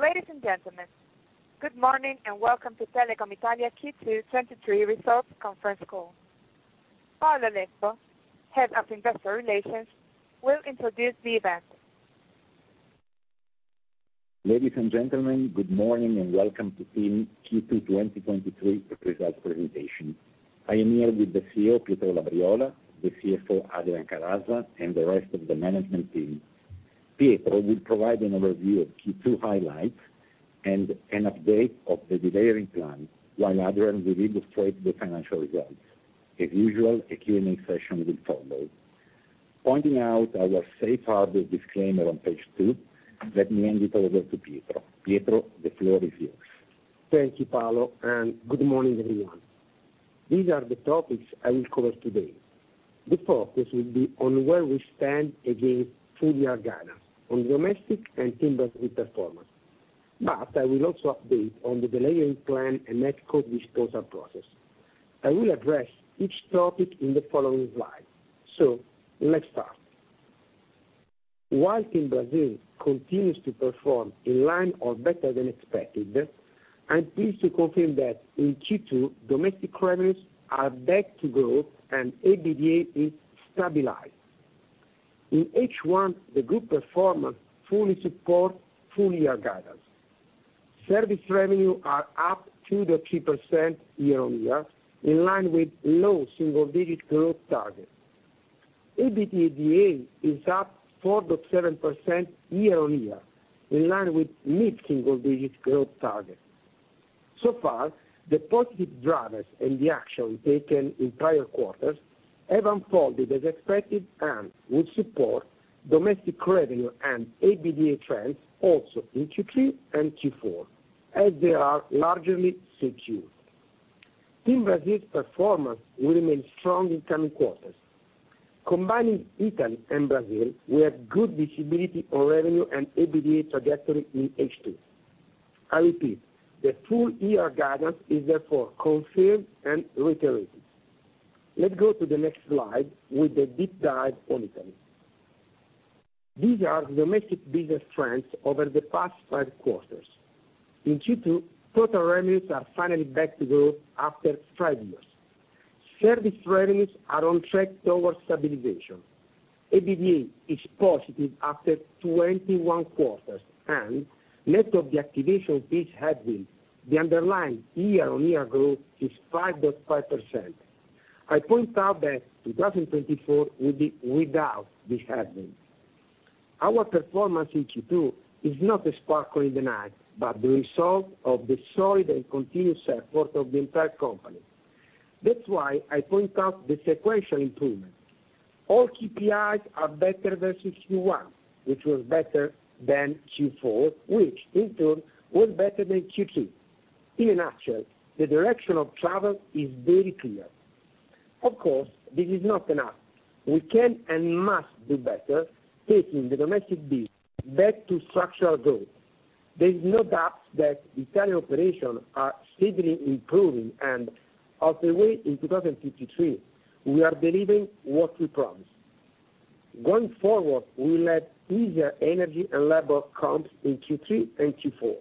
Ladies and gentlemen, good morning, and welcome to Telecom Italia Q2 2023 results conference call. Paolo Roseghini, Head of Investor Relations, will introduce the event. Ladies and gentlemen, good morning, and welcome to TIM Q2 2023 results presentation. I am here with the CEO, Pietro Labriola, the CFO, Adrian Calaza, and the rest of the management team. Pietro will provide an overview of Q2 highlights and an update of the delivery plan, while Adrian will illustrate the financial results. As usual, a Q&A session will follow. Pointing out our safe harbor disclaimer on page 2, let me hand it over to Pietro. Pietro, the floor is yours. Thank you, Paolo. Good morning, everyone. These are the topics I will cover today. The focus will be on where we stand against full-year guidance on domestic and TIM Brasil performance. I will also update on the delivery plan and NetCo disposal process. I will address each topic in the following slide. Let's start. While TIM Brasil continues to perform in line or better than expected, I'm pleased to confirm that in Q2, domestic revenues are back to growth and EBITDA is stabilized. In H1, the group performance fully support full-year guidance. Service revenue are up 2%-3% year-on-year, in line with low single-digit growth target. EBITDA is up 4.7% year-on-year, in line with mid-single digit growth target. Far, the positive drivers and the action taken in prior quarters have unfolded as expected and will support Domestic revenue and EBITDA trends also in Q3 and Q4, as they are largely secure. TIM Brasil's performance will remain strong in coming quarters. Combining Italy and Brasil, we have good visibility on revenue and EBITDA trajectory in H2. I repeat, the full-year guidance is therefore confirmed and reiterated. Let's go to the next slide with a deep dive on Italy. These are Domestic business trends over the past 5 quarters. In Q2, total revenues are finally back to growth after 5 years. Service revenues are on track towards stabilization. EBITDA is positive after 21 quarters, and net of the activation fee headwinds, the underlying year-on-year growth is 5.5%. I point out that 2024 will be without this happening. Our performance in Q2 is not a sparkle in the night, but the result of the solid and continuous support of the entire company. That's why I point out the sequential improvement. All KPIs are better versus Q1, which was better than Q4, which in turn was better than Q3. In actual, the direction of travel is very clear. Of course, this is not enough. We can and must do better, taking the Domestic business back to structural growth. There is no doubt that Italian operations are steadily improving, and as of the way, in 2023, we are delivering what we promised. Going forward, we'll have easier energy and labor comps in Q3 and Q4.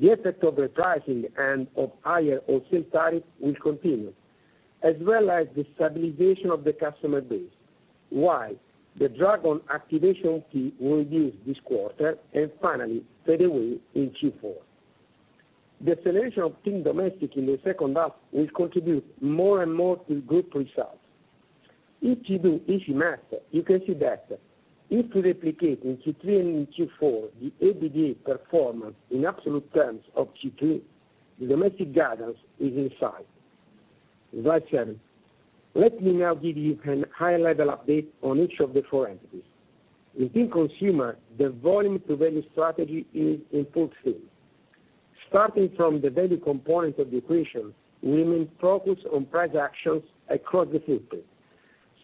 The effect of the pricing and of higher wholesale tariff will continue, as well as the stabilization of the customer base, while the drag on activation fee will reduce this quarter and finally fade away in Q4. The acceleration of TIM domestic in the second half will contribute more and more to group results. In Q2, easy math, you can see that if we replicate in Q3 and in Q4, the EBITDA performance in absolute terms of Q2, the domestic guidance is in sight. Slide 7. Let me now give you an high-level update on each of the four entities. In TIM Consumer, the volume-to-value strategy is in full swing. Starting from the value component of the equation, we remain focused on price actions across the system.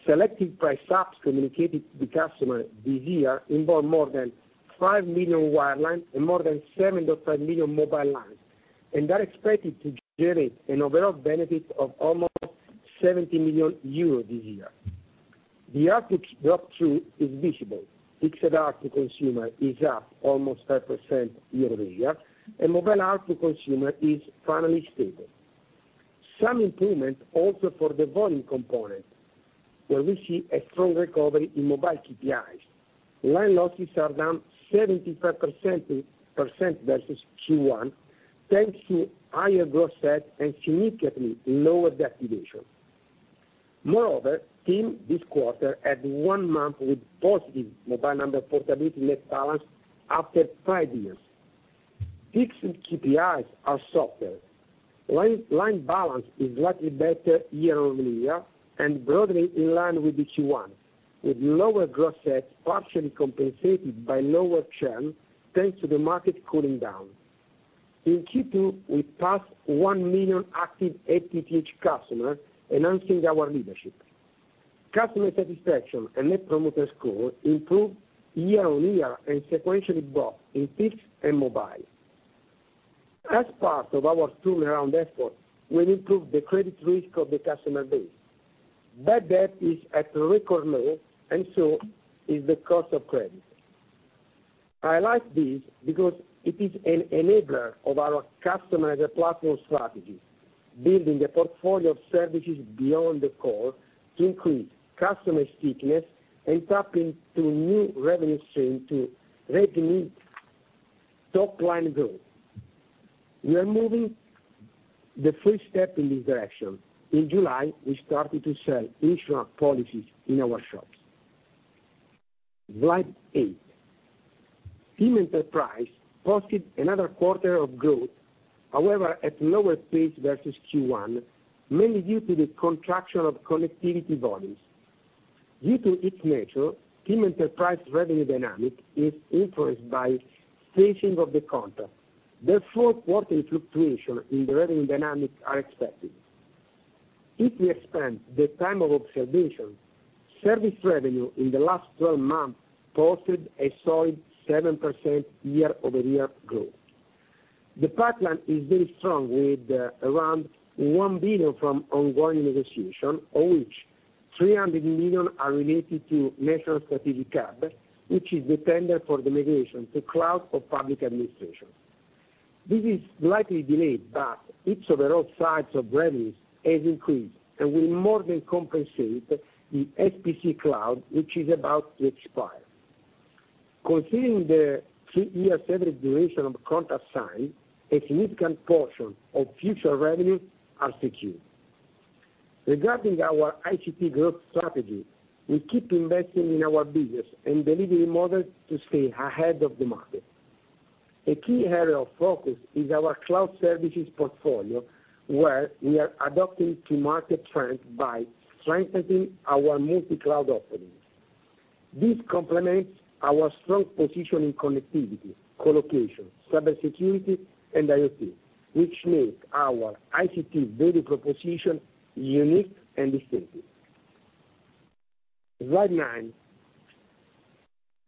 Selective price ups communicated to the customer this year involve more than 5 million wireline and more than 7.5 million mobile lines, and are expected to generate an overall benefit of almost 70 million euros this year. The ARPU drop through is visible. Fixed ARPU to consumer is up almost 5% year-over-year, and mobile ARPU to consumer is finally stable. Some improvement also for the volume component, where we see a strong recovery in mobile KPIs. Line losses are down 75% versus Q1, thanks to higher gross adds and significantly lower deactivation. Moreover, TIM this quarter had 1 month with positive mobile number portability net balance after 5 years. Fixed KPIs are softer. Line balance is slightly better year-on-year and broadly in line with the Q1, with lower gross adds, partially compensated by lower churn, thanks to the market cooling down. In Q2, we passed 1 million active FTTH customers, enhancing our leadership. Customer satisfaction and Net Promoter Score improved year-on-year and sequentially, both in fixed and mobile. As part of our turnaround effort, we improved the credit risk of the customer base. Bad debt is at a record low, and so is the cost of credit. I like this because it is an enabler of our Customer as a platform strategy, building a portfolio of services beyond the core to increase customer stickiness and tapping to new revenue stream to revenue top line growth. We are moving the first step in this direction. In July, we started to sell insurance policies in our shops. Slide eight. TIM Enterprise posted another quarter of growth, however, at lower pace versus Q1, mainly due to the contraction of connectivity volumes. Due to its nature, TIM Enterprise revenue dynamic is influenced by staging of the contract. Quarter fluctuation in the revenue dynamics are expected. If we expand the time of observation, service revenue in the last twelve months posted a solid 7% year-over-year growth. The pipeline is very strong, with around 1 billion from ongoing negotiation, of which 300 million are related to National Strategic Hub, which is the tender for the migration to cloud for public administration. This is slightly delayed, its overall size of revenues has increased and will more than compensate the SPCoop Cloud, which is about to expire. Considering the three-year average duration of contract signed, a significant portion of future revenues are secured. Regarding our ICT growth strategy, we keep investing in our business and delivery model to stay ahead of the market. A key area of focus is our cloud services portfolio, where we are adapting to market trends by strengthening our multi-cloud offerings. This complements our strong position in connectivity, colocation, cybersecurity, and IoT, which make our ICT value proposition unique and distinctive. Slide nine.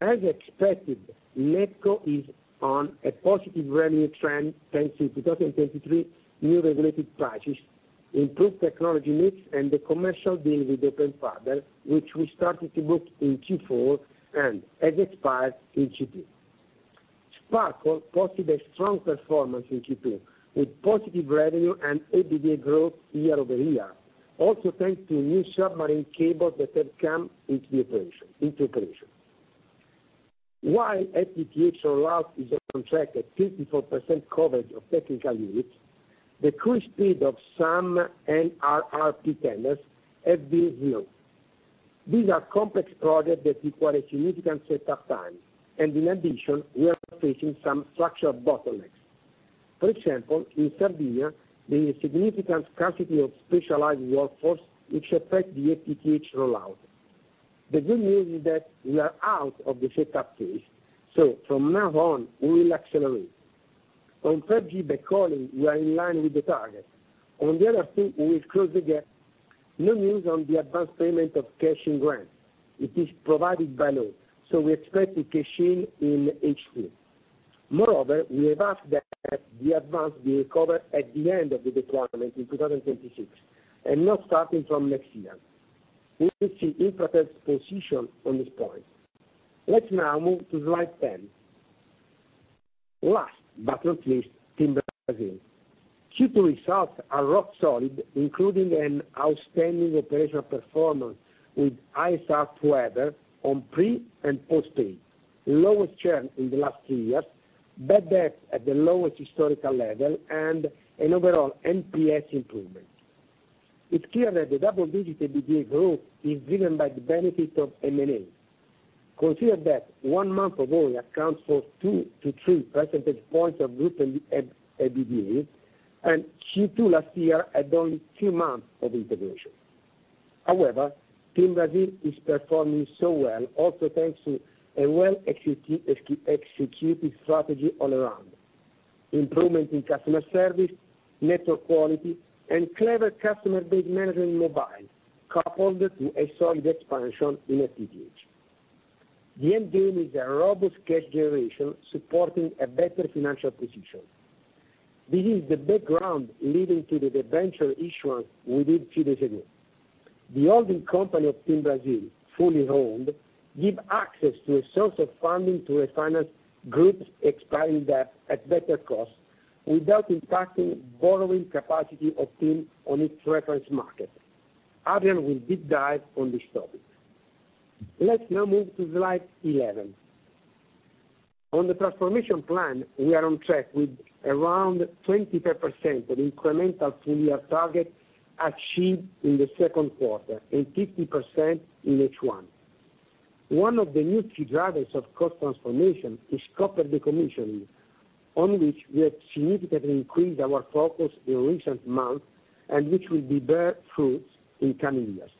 As expected, NetCo is on a positive revenue trend, thanks to 2023 new regulated prices, improved technology mix, and the commercial deal with Open Fiber, which we started to book in Q4 and has expired in Q2. Sparkle posted a strong performance in Q2, with positive revenue and EBITDA growth year-over-year, also thanks to new submarine cables that have come into operation, into operation. While FTTH rollout is on track at 54% coverage of technical units, the cruise speed of some NRRP tenders have been 0. These are complex projects that require a significant set of time. In addition, we are facing some structural bottlenecks. For example, in Sardinia, there is significant scarcity of specialized workforce, which affect the FTTH rollout. The good news is that we are out of the setup phase. From now on, we will accelerate. On 5G Backhauling, we are in line with the target. On the other thing, we will close the gap. No news on the advanced payment of cash-in grant. It is provided by law. We expect the cash-in in H2. Moreover, we have asked that the advance be recovered at the end of the deployment in 2026, not starting from next year. We will see Infratel's position on this point. Let's now move to Slide 10. Last but not least, TIM Brasil. Q2 results are rock solid, including an outstanding operational performance with ISS weather on prepaid and postpaid, lowest churn in the last 3 years, Bad debt at the lowest historical level, and an overall NPS improvement. It's clear that the double-digit EBITDA growth is driven by the benefit of M&A. Consider that 1 month ago, it accounts for 2 to 3 percentage points of Group EBITDA, and Q2 last year had only 2 months of integration. TIM Brasil is performing so well, also thanks to a well executed strategy all around. Improvement in customer service, network quality, and clever customer base management mobile, coupled to a solid expansion in FTTH. The end game is a robust cash generation, supporting a better financial position. This is the background leading to the debenture issuance we did few days ago. The holding company of TIM Brasil, fully owned, give access to a source of funding to a finance groups expanding that at better cost without impacting borrowing capacity of TIM on its reference market. Adrian will deep dive on this topic. Let's now move to Slide 11. On the transformation plan, we are on track with around 25% of incremental full-year target achieved in the second quarter and 50% in H1. One of the new key drivers of cost transformation is copper decommission, on which we have significantly increased our focus in recent months and which will bear fruits in coming years.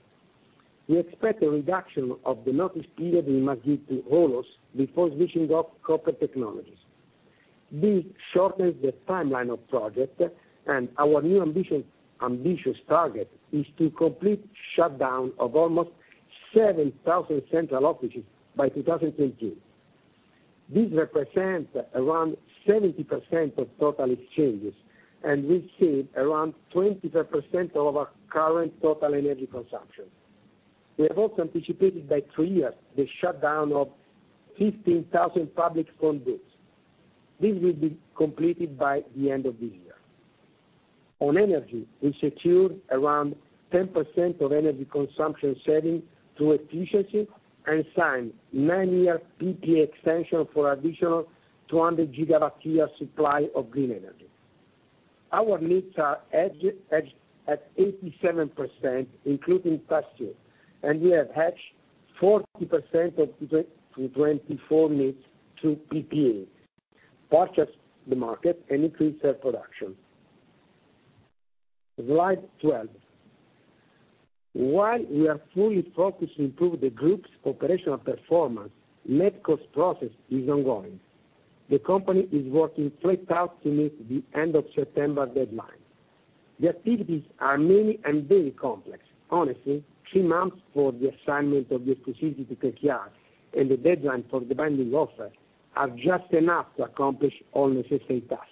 We expect a reduction of the notice period we must give to holders before switching off copper technologies. This shortens the timeline of project. Our new ambitious target is to complete shutdown of 7,000 central offices by 2022. This represents around 70% of total exchanges, and we've saved around 25% of our current total energy consumption. We have also anticipated by three years the shutdown of 15,000 public phone booths. This will be completed by the end of this year. On energy, we secured around 10% of energy consumption saving through efficiency, and signed nine-year PPA extension for additional 200 GWh/year supply of green energy. Our needs are hedged at 87%, including past due, and we have hedged 40% of 2024 needs through PPA, purchased the market, and increased their production. Slide 12. While we are fully focused to improve the group's operational performance, NetCo's process is ongoing. The company is working flat out to meet the end of September deadline. The activities are many and very complex. Honestly, three months for the assignment of the exclusivity criteria and the deadline for the binding offer are just enough to accomplish all necessary tasks.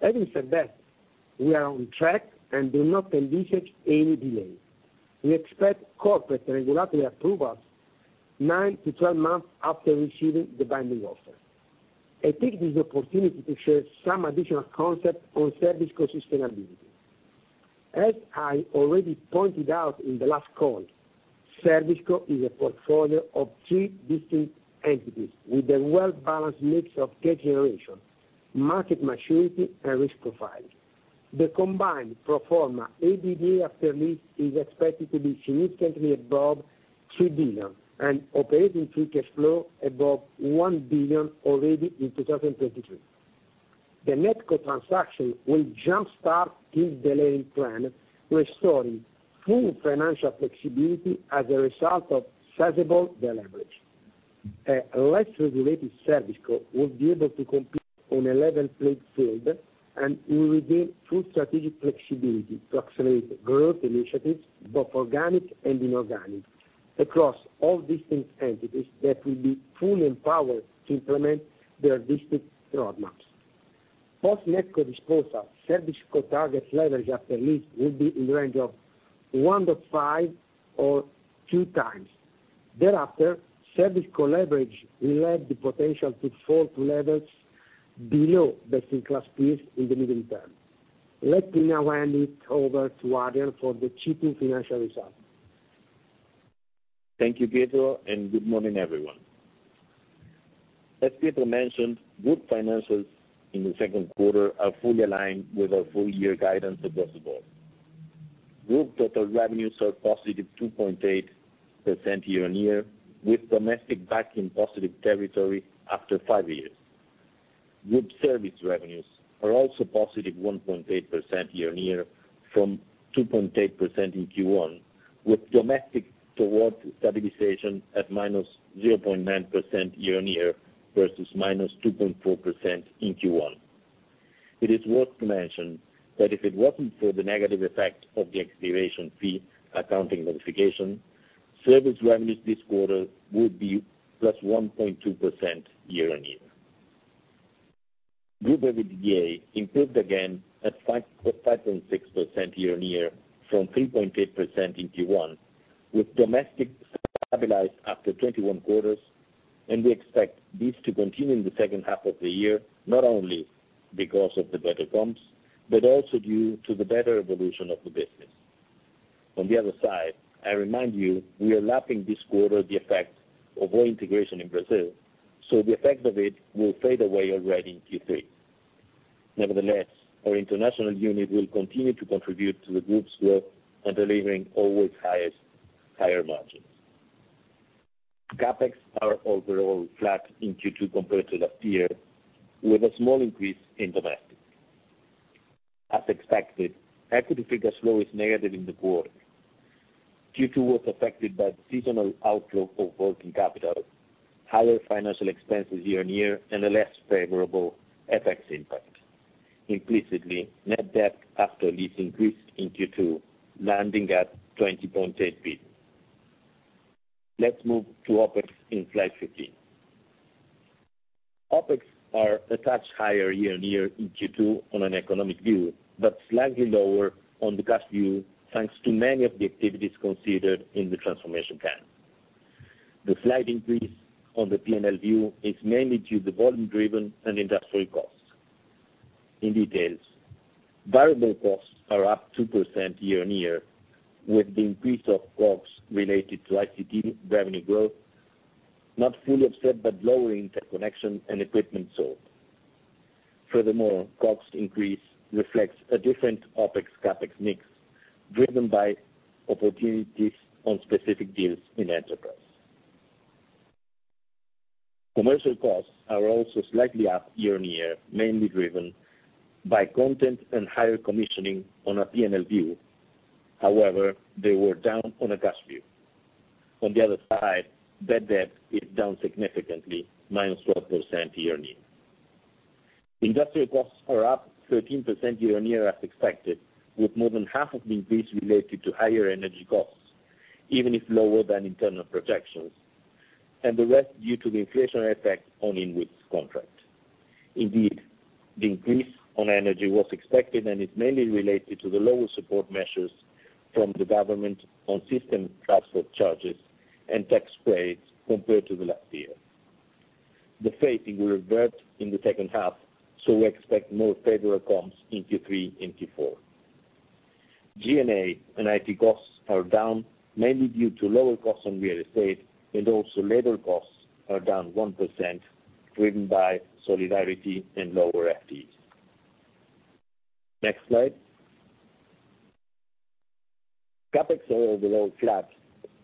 Having said that, we are on track and do not envisage any delay. We expect corporate regulatory approvals nine to 12 months after receiving the binding offer. I take this opportunity to share some additional concept on ServCo sustainability. As I already pointed out in the last call, ServCo is a portfolio of three distinct entities with a well-balanced mix of debt generation, market maturity, and risk profile. The combined pro forma EBITDA After Lease is expected to be significantly above 3 billion, and operating free cash flow above 1 billion already in 2023. The NetCo transaction will jumpstart this delivery plan, restoring full financial flexibility as a result of sizable deleverage. A less regulated ServCo will be able to compete on a level playing field, will regain full strategic flexibility to accelerate growth initiatives, both organic and inorganic, across all distinct entities that will be fully empowered to implement their distinct roadmaps. Post NetCo disposal, ServCo target leverage after lease will be in the range of 1 to 5 or 2 times. Thereafter, ServCo leverage will have the potential to fall to levels below best-in-class peers in the medium term. Let me now hand it over to Adrian Calaza for the cheaper financial results. Thank you, Pietro. Good morning, everyone. As Pietro mentioned, group financials in the second quarter are fully aligned with our full-year guidance across the board. Group total revenues are positive 2.8% year-on-year, with Domestic back in positive territory after 5 years. Group service revenues are also positive 1.8% year-on-year, from 2.8% in Q1, with Domestic towards stabilization at -0.9% year-on-year, versus -2.4% in Q1. It is worth to mention that if it wasn't for the negative effect of the activation fee accounting notification, service revenues this quarter would be +1.2% year-on-year. Group EBITDA improved again at 5.6% year-on-year, from 3.8% in Q1, with Domestic stabilized after 21 quarters, and we expect this to continue in the second half of the year, not only because of the better comps, but also due to the better evolution of the business. On the other side, I remind you, we are lapping this quarter the effect of all integration in Brazil, so the effect of it will fade away already in Q3. Nevertheless, our international unit will continue to contribute to the group's growth and delivering always highest, higher margins. CapEx are overall flat in Q2 compared to last year, with a small increase in Domestic. As expected, equity free cash flow is negative in the quarter due to what's affected by the seasonal outflow of working capital, higher financial expenses year-on-year, and a less favorable FX impact. Implicitly, net debt after lease increased in Q2, landing at 20.8 billion. Let's move to OpEx in Slide 15. OpEx are a touch higher year-on-year in Q2 on an economic view, but slightly lower on the cash view, thanks to many of the activities considered in the transformation plan. The slight increase on the P&L view is mainly due to volume-driven and industrial costs. In details, variable costs are up 2% year-on-year, with the increase of costs related to ICT revenue growth, not fully offset, but lowering the connection and equipment sold. Furthermore, costs increase reflects a different OpEx, CapEx mix, driven by opportunities on specific deals in enterprise. Commercial costs are also slightly up year-on-year, mainly driven by content and higher commissioning on a P&L view. However, they were down on a cash view. On the other side, bad debt is down significantly, minus 12% year-on-year. Industrial costs are up 13% year-on-year as expected, with more than half of the increase related to higher energy costs, even if lower than internal projections, and the rest due to the inflationary effect on inwards contract. The increase on energy was expected, and it's mainly related to the lower support measures from the government on system transport charges and tax rates compared to the last year. The phasing will revert in the second half, we expect more favorable outcomes in Q3 and Q4. G&A and IT costs are down, mainly due to lower costs on real estate, and also labor costs are down 1%, driven by solidarity and lower FTEs. Next slide. CapEx are overall flat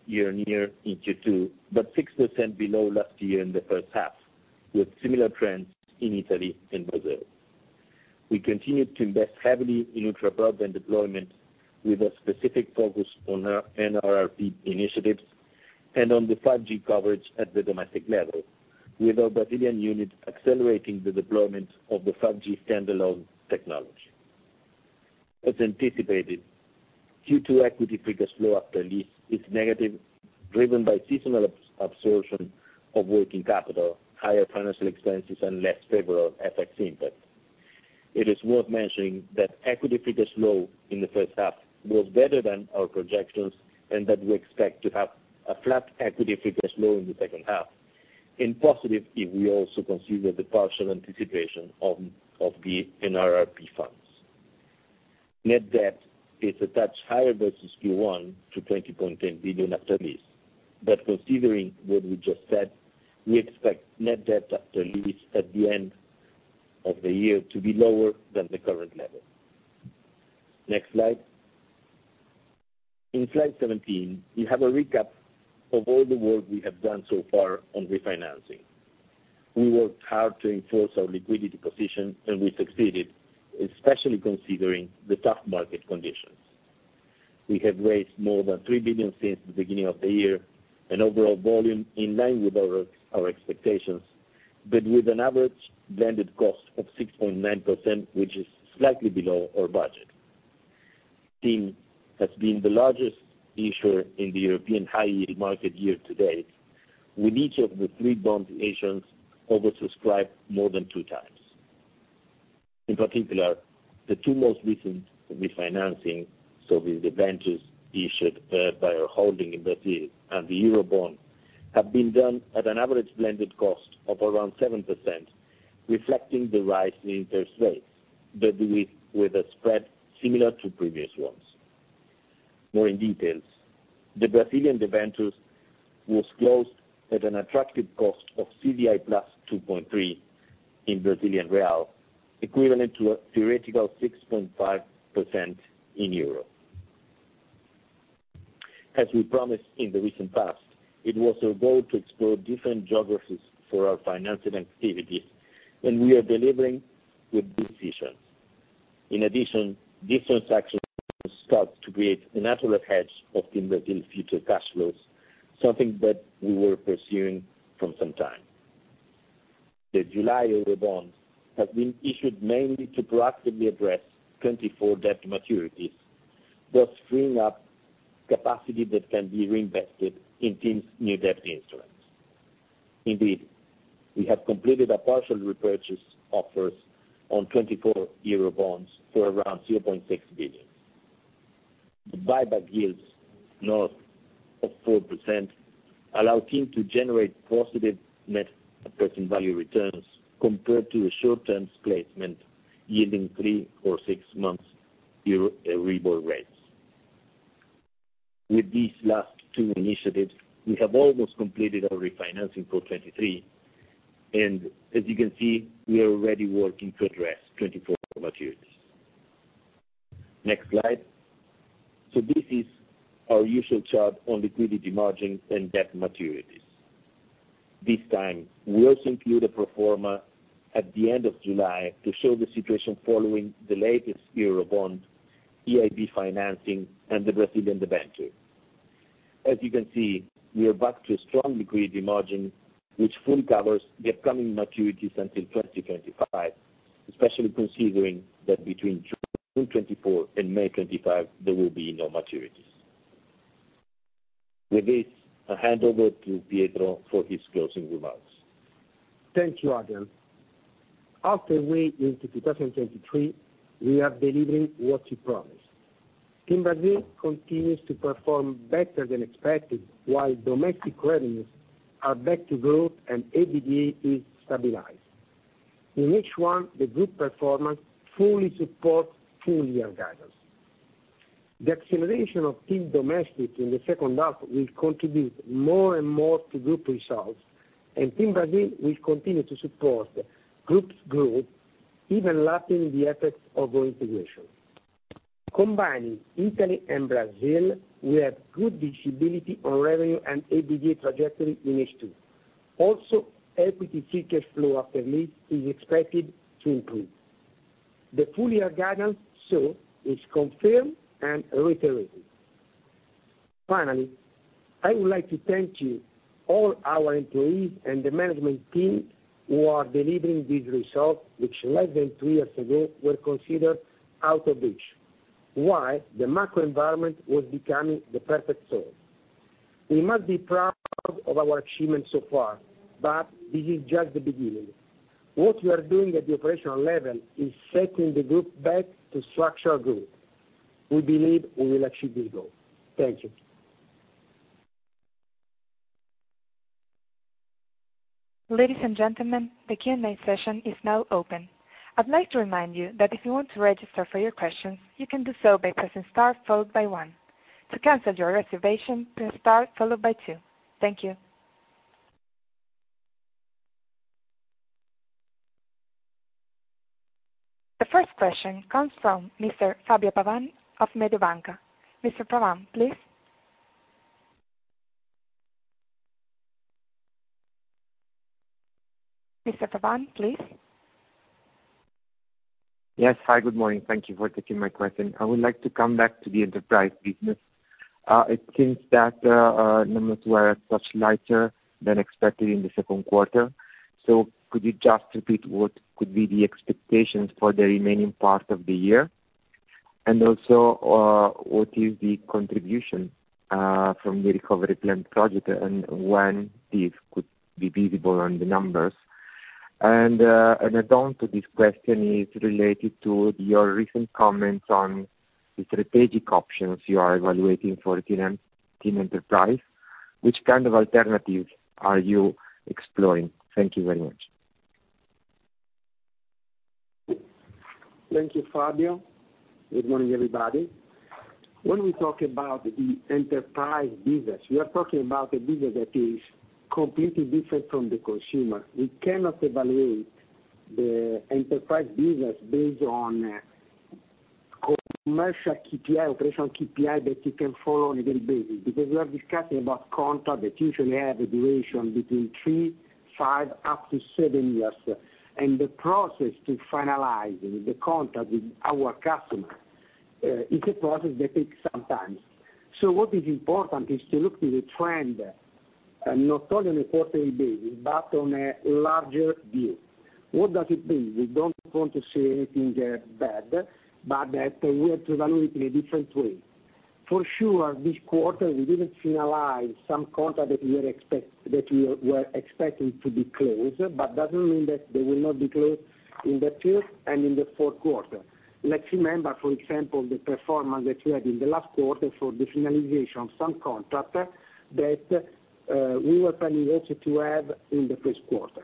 year-on-year in Q2, but 6% below last year in the first half, with similar trends in Italy and Brazil. We continued to invest heavily in ultra broadband deployment, with a specific focus on our NRRP initiatives and on the 5G coverage at the Domestic level, with our Brazilian unit accelerating the deployment of the 5G standalone technology. As anticipated, Q2 equity free cash flow after lease is negative, driven by seasonal absorption of working capital, higher financial expenses, and less favorable FX impact. It is worth mentioning that equity free cash flow in the first half was better than our projections, and that we expect to have a flat equity free cash flow in the second half, and positive if we also consider the partial anticipation of the NRRP funds. Net debt is a touch higher versus Q1 to 20.10 billion after lease. Considering what we just said, we expect net debt after lease at the end of the year to be lower than the current level. Next slide. In Slide 17, we have a recap of all the work we have done so far on refinancing. We worked hard to enforce our liquidity position. We succeeded, especially considering the tough market conditions. We have raised more than 3 billion since the beginning of the year, an overall volume in line with our expectations. With an average blended cost of 6.9%, which is slightly below our budget. TIM has been the largest issuer in the European high-yield market year to date, with each of the 3 bond issuance oversubscribed more than 2 times. In particular, the two most recent refinancing, so with the debentures issued by our holding in Brazil and the Eurobond, have been done at an average blended cost of around 7%, reflecting the rise in interest rates, but with, with a spread similar to previous ones. More in details, the Brazilian debentures was closed at an attractive cost of CDI plus 2.3 in Brazilian real, equivalent to a theoretical 6.5% in Euro. As we promised in the recent past, it was our goal to explore different geographies for our financing activities, and we are delivering with good decisions. In addition, different actions start to create a natural hedge of TIM Brasil's future cash flows, something that we were pursuing from some time. The July Eurobond has been issued mainly to proactively address 2024 debt maturities, thus freeing up capacity that can be reinvested in TIM's new debt instruments. Indeed, we have completed a partial repurchase offers on 2024 Eurobonds for around 0.6 billion. The buyback yields north of 4% allow TIM to generate positive net present value returns compared to a short-term placement yielding 3 or 6 months Euro Euribor rates. With these last two initiatives, we have almost completed our refinancing for 2023. As you can see, we are already working to address 2024 maturities. Next slide. This is our usual chart on liquidity margins and debt maturities. This time, we also include a pro forma at the end of July to show the situation following the latest Eurobond, EIB financing, and the Brazilian debenture. As you can see, we are back to a strong liquidity margin, which fully covers the upcoming maturities until 2025, especially considering that between June 2024 and May 2025, there will be no maturities. With this, I hand over to Pietro for his closing remarks. Thank you, Adrian Calaza. After we entered 2023, we are delivering what we promised. TIM Brasil continues to perform better than expected, while Domestic revenues are back to growth and EBITDA is stabilized. In H1, the Group performance fully supports full-year guidance. The acceleration of TIM Domestic in H2 will contribute more and more to Group results, and TIM Brasil will continue to support Group's growth, even lasting the effects of integration. Combining Italy and Brazil, we have good visibility on revenue and EBITDA trajectory in H2. Also, equity free cash flow after lease is expected to improve. The full-year guidance is confirmed and reiterated. Finally, I would like to thank you, all our employees and the management team, who are delivering these results, which less than two years ago were considered out of reach, while the macro environment was becoming the perfect storm. We must be proud of our achievement so far, but this is just the beginning. What we are doing at the operational level is setting the group back to structural growth. We believe we will achieve this goal. Thank you. Ladies and gentlemen, the Q&A session is now open. I'd like to remind you that if you want to register for your questions, you can do so by pressing star followed by one. To cancel your reservation, press star followed by two. Thank you. The first question comes from Mr. Fabio Pavan of Mediobanca. Mr. Pavan, please? Mr. Pavan, please. Yes. Hi, good morning. Thank you for taking my question. I would like to come back to the Enterprise business. It seems that numbers were much lighter than expected in Q2. Could you just repeat what could be the expectations for the remaining part of the year? Also, what is the contribution from the Recovery Plan project, and when this could be visible on the numbers? An add-on to this question is related to your recent comments on the strategic options you are evaluating for TIM Enterprise. Which kind of alternatives are you exploring? Thank you very much. Thank you, Fabio. Good morning, everybody. When we talk about the enterprise business, we are talking about a business that is completely different from the consumer. We cannot evaluate the enterprise business based on commercial KPI, operational KPI, that you can follow on a daily basis, because we are discussing about contract that usually have a duration between 3, 5, up to 7 years. The process to finalizing the contract with our customer, is a process that takes some time. What is important is to look to the trend, and not only on a quarterly basis, but on a larger view. What does it mean? We don't want to say anything bad, but that we have to evaluate in a different way. For sure, this quarter, we didn't finalize some contract that we were expecting to be closed, but doesn't mean that they will not be closed in the third and in the fourth quarter. Let's remember, for example, the performance that we had in the last quarter for the finalization of some contract that we were planning also to have in the first quarter.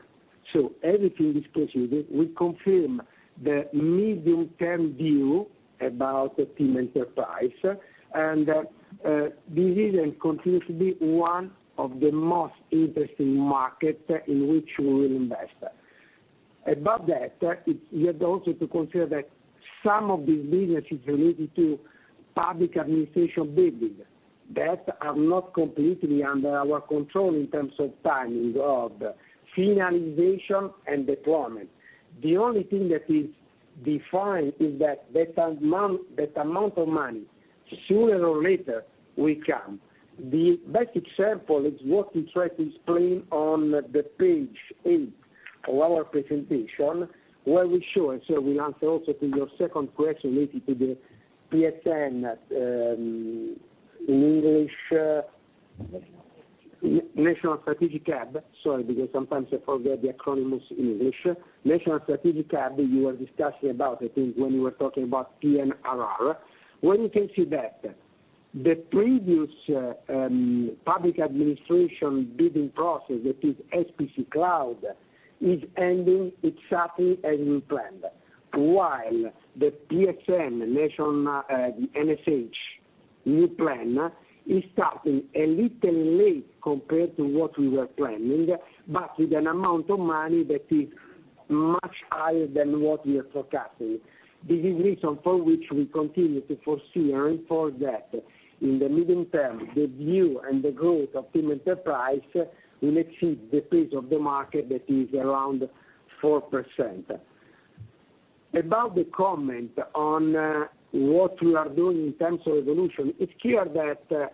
Everything is proceeded. We confirm the medium-term view about the TIM Enterprise and this is and continues to be one of the most interesting market in which we will invest. About that, it's we have also to consider that some of these businesses related to public administration bidding, that are not completely under our control in terms of timing, of finalization, and deployment. The only thing that is defined is that, that amount, that amount of money, sooner or later, will come. The best example is what we try to explain on Slide eight of our presentation, where we show, and so we answer also to your second question related to the PSN, in English, National Strategic Hub. Sorry, because sometimes I forget the acronyms in English. National Strategic Hub, you were discussing about, I think, when you were talking about PNRR. Where you can see that the previous, public administration bidding process, that is SPCoop Cloud, is ending exactly as we planned, while the PSN, National, the NSH new plan is starting a little late compared to what we were planning, but with an amount of money that is much higher than what we are forecasting. This is reason for which we continue to foresee and for that, in the medium term, the view and the growth of TIM Enterprise will exceed the pace of the market that is around 4%. About the comment on what we are doing in terms of evolution, it's clear that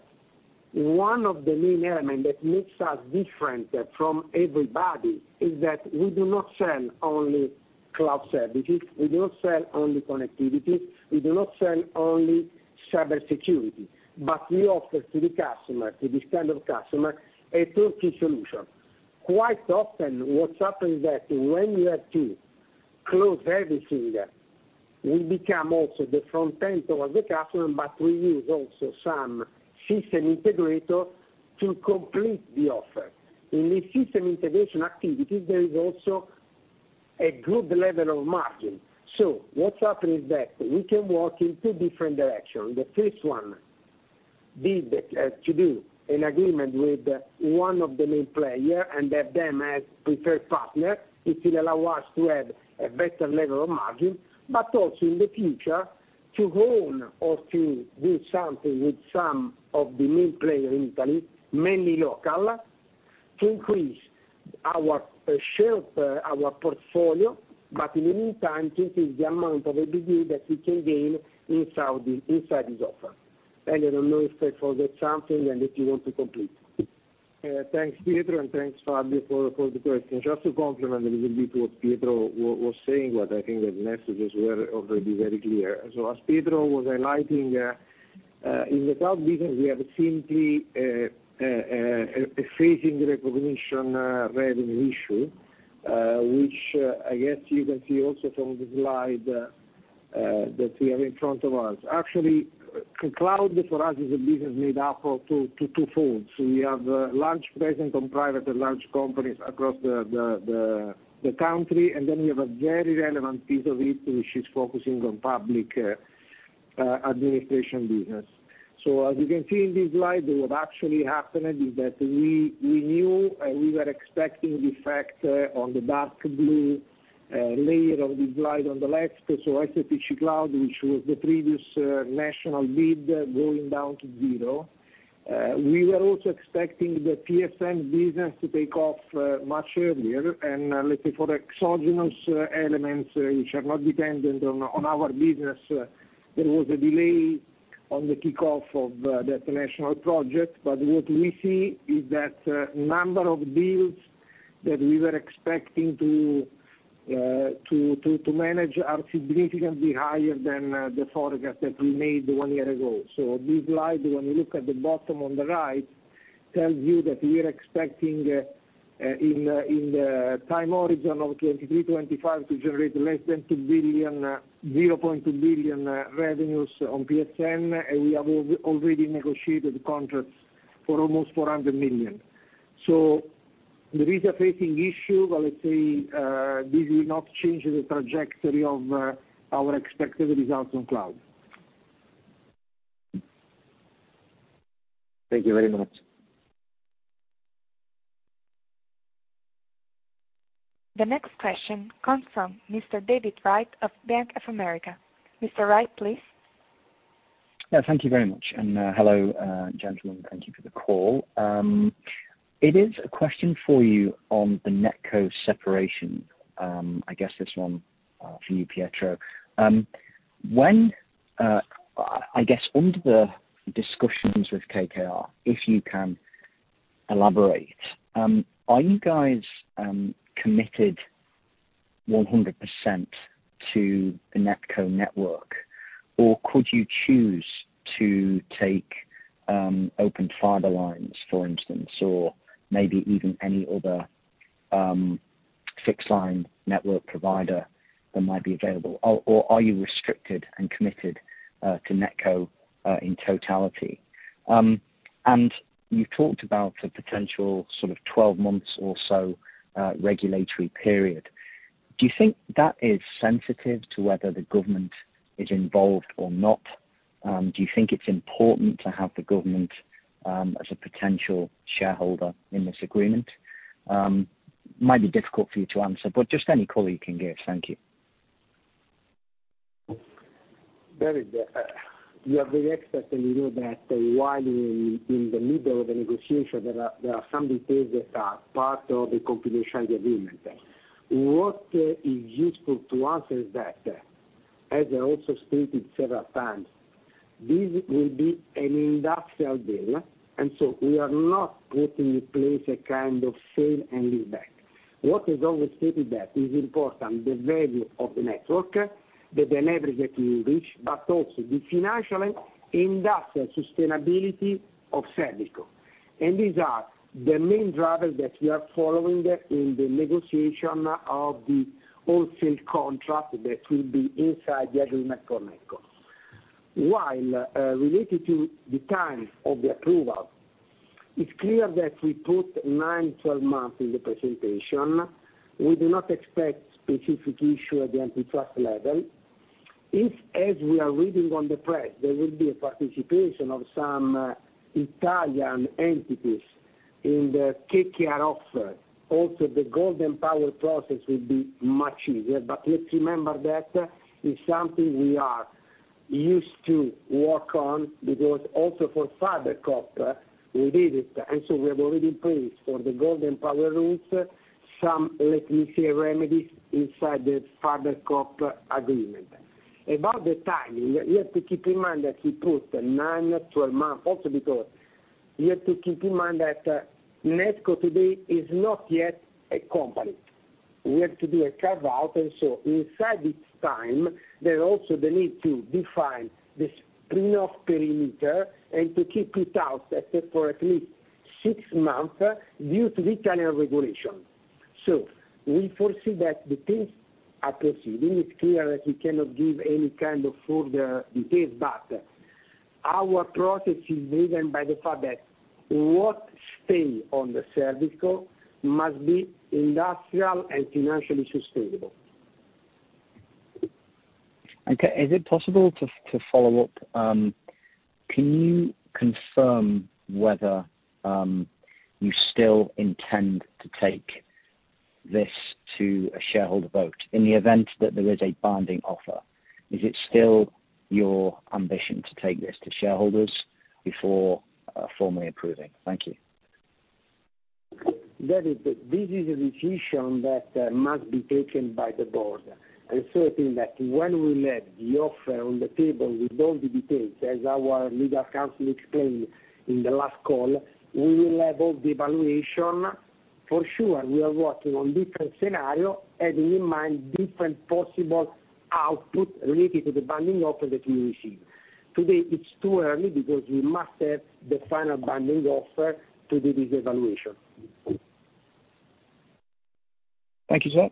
one of the main element that makes us different from everybody is that we do not sell only cloud services, we do not sell only connectivity, we do not sell only cybersecurity, but we offer to the customer, to this kind of customer, a turnkey solution. Quite often, what happens is that when we have to close everything, we become also the front end toward the customer, but we use also some system integrator to complete the offer. In the system integration activities, there is also a good level of margin. What's happening is that we can work in two different directions. The first one, be the to do an agreement with one of the main player and have them as preferred partner. It will allow us to have a better level of margin, but also in the future, to own or to do something with some of the main player in Italy, mainly local. To increase our share, our portfolio, but in the meantime, to increase the amount of ABV that we can gain in Saudi inside this offer. Elio, I don't know if there for that something, and if you want to complete. Thanks, Pietro, and thanks, Fabio, for, for the question. Just to complement a little bit to what Pietro was saying, what I think the messages were already very clear. As Pietro was highlighting, in the cloud business, we have simply a phasing recognition revenue issue, which, I guess you can see also from the slide that we have in front of us. Actually, cloud, for us, is a business made up of 2 folds. We have a large presence on private and large companies across the country, and then we have a very relevant piece of it, which is focusing on public administration business. As you can see in this slide, what actually happened is that we knew, and we were expecting the effect on the dark blue layer of the slide on the left, so SPCoop Cloud, which was the previous national bid going down to 0. We were also expecting the PSN business to take off much earlier, let's say, for the exogenous elements, which are not dependent on our business, there was a delay on the kickoff of that national project. What we see is that number of deals that we were expecting to manage are significantly higher than the forecast that we made 1 year ago. This slide, when you look at the bottom on the right, tells you that we are expecting in the time horizon of 2023, 2025 to generate less than 2 billion, 0.2 billion revenues on PSN, and we have already negotiated contracts for almost 400 million. There is a facing issue, but let's say, this will not change the trajectory of our expected results on cloud. Thank you very much. The next question comes from Mr. David Wright of Bank of America. Mr. Wright, please. Yeah, thank you very much. Hello, gentlemen, thank you for the call. It is a question for you on the NetCo separation. I guess this one for you, Pietro. When, I, I guess under the discussions with KKR, if you can elaborate, are you guys committed 100% to the NetCo network, or could you choose to take Open Fiber lines, for instance, or maybe even any other fixed line network provider that might be available? Or are you restricted and committed to NetCo in totality? You talked about a potential sort of 12 months or so regulatory period. Do you think that is sensitive to whether the government is involved or not? Do you think it's important to have the government as a potential shareholder in this agreement? Might be difficult for you to answer, but just any call you can give. Thank you. David, you are very expert, you know that while in the middle of the negotiation, there are some details that are part of the confidential agreement. What is useful to us is that, as I also stated several times, this will be an industrial deal, so we are not putting in place a kind of sale and lease back. What is always stated that is important, the value of the network, the leverage that we reach, but also the financial industrial sustainability of ServCo. These are the main drivers that we are following in the negotiation of the wholesale contract that will be inside the agreement for NetCo. While related to the time of the approval, it's clear that we put 9-12 months in the presentation. We do not expect specific issue at the antitrust level. If, as we are reading on the press, there will be a participation of some Italian entities in the KKR offer, also the golden power process will be much easier. Let's remember that is something we are used to work on, because also for Fiber Cop, we did it, and so we have already placed for the golden power rules, some, let me say, remedies inside the Fiber Cop agreement. The timing, we have to keep in mind that we put 9-12 months, also because we have to keep in mind that NetCo today is not yet a company. We have to do a carve-out, and so inside this time, there's also the need to define the spin-off perimeter and to keep it out, except for at least six months, due to the Italian regulation. We foresee that the things are proceeding. It's clear that we cannot give any kind of further details. Our process is driven by the fact that what stay on the ServCo must be industrial and financially sustainable. Okay. Is it possible to, to follow up? Can you confirm whether you still intend to take this to a shareholder vote in the event that there is a binding offer, is it still your ambition to take this to shareholders before formally approving? Thank you. David, this is a decision that must be taken by the board. I certainly that when we let the offer on the table with all the details, as our legal counsel explained in the last call, we will have all the evaluation. For sure, we are working on different scenario, having in mind different possible output related to the binding offer that we receive. Today, it's too early because we must have the final binding offer to do this evaluation. Thank you, sir.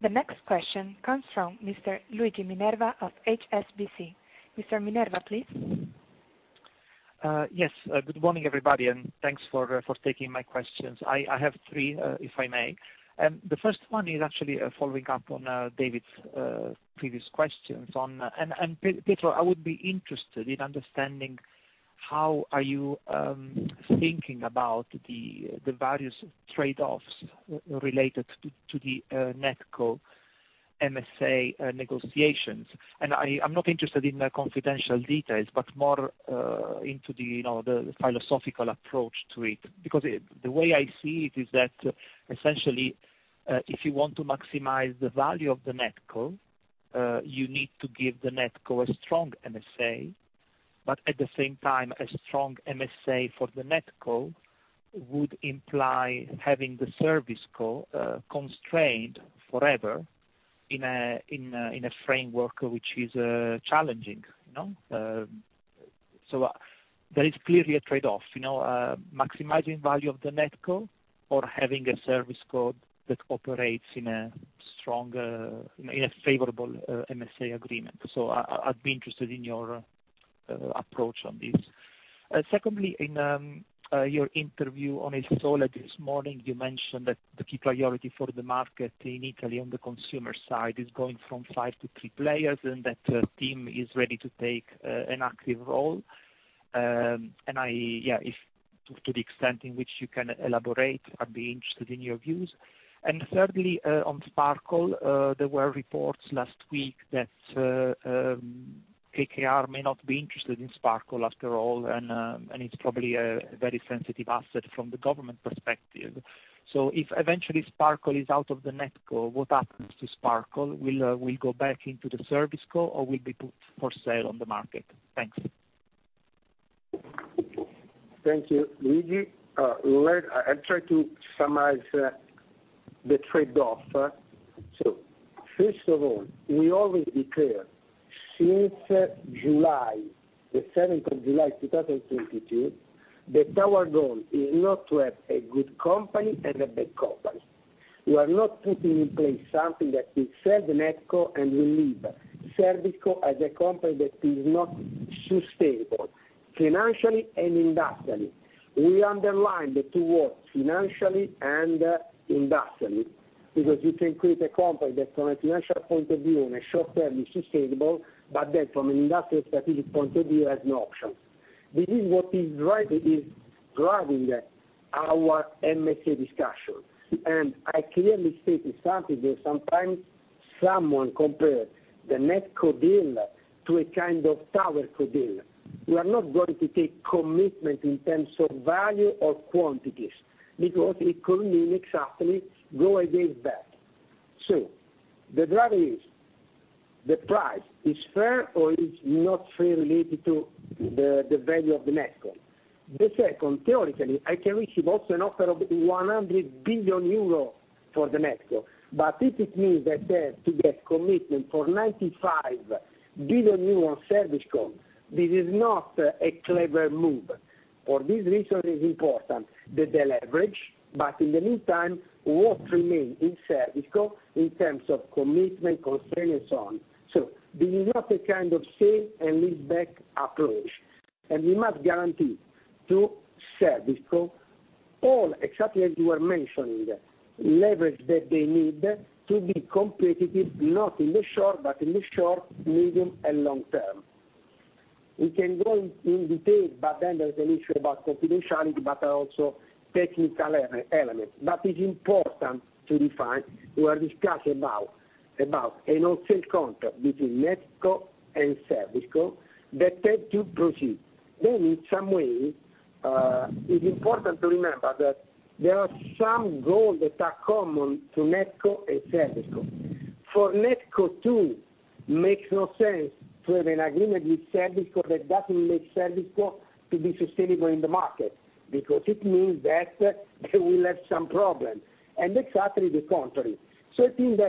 The next question comes from Mr. Luigi Minerva of HSBC. Mr. Minerva, please. Yes, good morning, everybody, and thanks for for taking my questions. I, I have 3, if I may. The first one is actually following up on David's previous questions on... Pietro, I would be interested in understanding how are you thinking about the the various trade-offs related to to the NetCo, MSA negotiations? I, I'm not interested in the confidential details, but more into the, you know, the philosophical approach to it. Because the way I see it is that, essentially, if you want to maximize the value of the NetCo, you need to give the NetCo a strong MSA. At the same time, a strong MSA for the NetCo would imply having the ServCo constrained forever in a, in a, in a framework which is challenging, you know? There is clearly a trade-off, you know, maximizing value of the NetCo or having a ServCo that operates in a strong, in a favorable, MSA agreement. I, I'd be interested in your approach on this. Secondly, in your interview on Il Sole this morning, you mentioned that the key priority for the market in Italy on the consumer side is going from five to three players, and that TIM is ready to take an active role. Yeah, if to the extent in which you can elaborate, I'd be interested in your views. Thirdly, on Sparkle, there were reports last week that KKR may not be interested in Sparkle after all, and it's probably a very sensitive asset from the government perspective. If eventually Sparkle is out of the NetCo, what happens to Sparkle? Will it go back into the ServCo, or will be put for sale on the market? Thanks. Thank you, Luigi. I try to summarize the trade-off. First of all, we always be clear, since July 7, 2022, that our goal is not to have a good company and a bad company. We are not putting in place something that will sell the NetCo, and we leave ServCo as a company that is not sustainable, financially and industrially. We underline the two words, financially and industrially, because you can create a company that from a financial point of view, in a short term, is sustainable, but then from an industrial strategic point of view, has no option. This is what is driving, is driving our M&A discussion. I clearly state this, something that sometimes someone compare the NetCo deal to a kind of tower co deal. We are not going to take commitment in terms of value or quantities, because it could mean exactly go again back. The driver is, the price is fair or is not fair related to the, the value of the NetCo. The second, theoretically, I can receive also an offer of 100 billion euro for the NetCo, but if it means that they have to get commitment for 95 billion euro on ServCo, this is not a clever move. For this reason, it is important that the leverage, but in the meantime, what remains in ServCo in terms of commitment, constraint, and so on. This is not a kind of sale and lead back approach, and we must guarantee to ServCo all, exactly as you are mentioning, leverage that they need to be competitive, not in the short, but in the short, medium, and long term. We can go in detail. Then there's an issue about confidentiality, also technical element. It's important to define, we are discussing about an on-sale contract between NetCo and ServCo that have to proceed. In some way, it's important to remember that there are some goals that are common to NetCo and ServCo. For NetCo, too, makes no sense to have an agreement with ServCo that doesn't make ServCo to be sustainable in the market, because it means that they will have some problem, and exactly the contrary. I think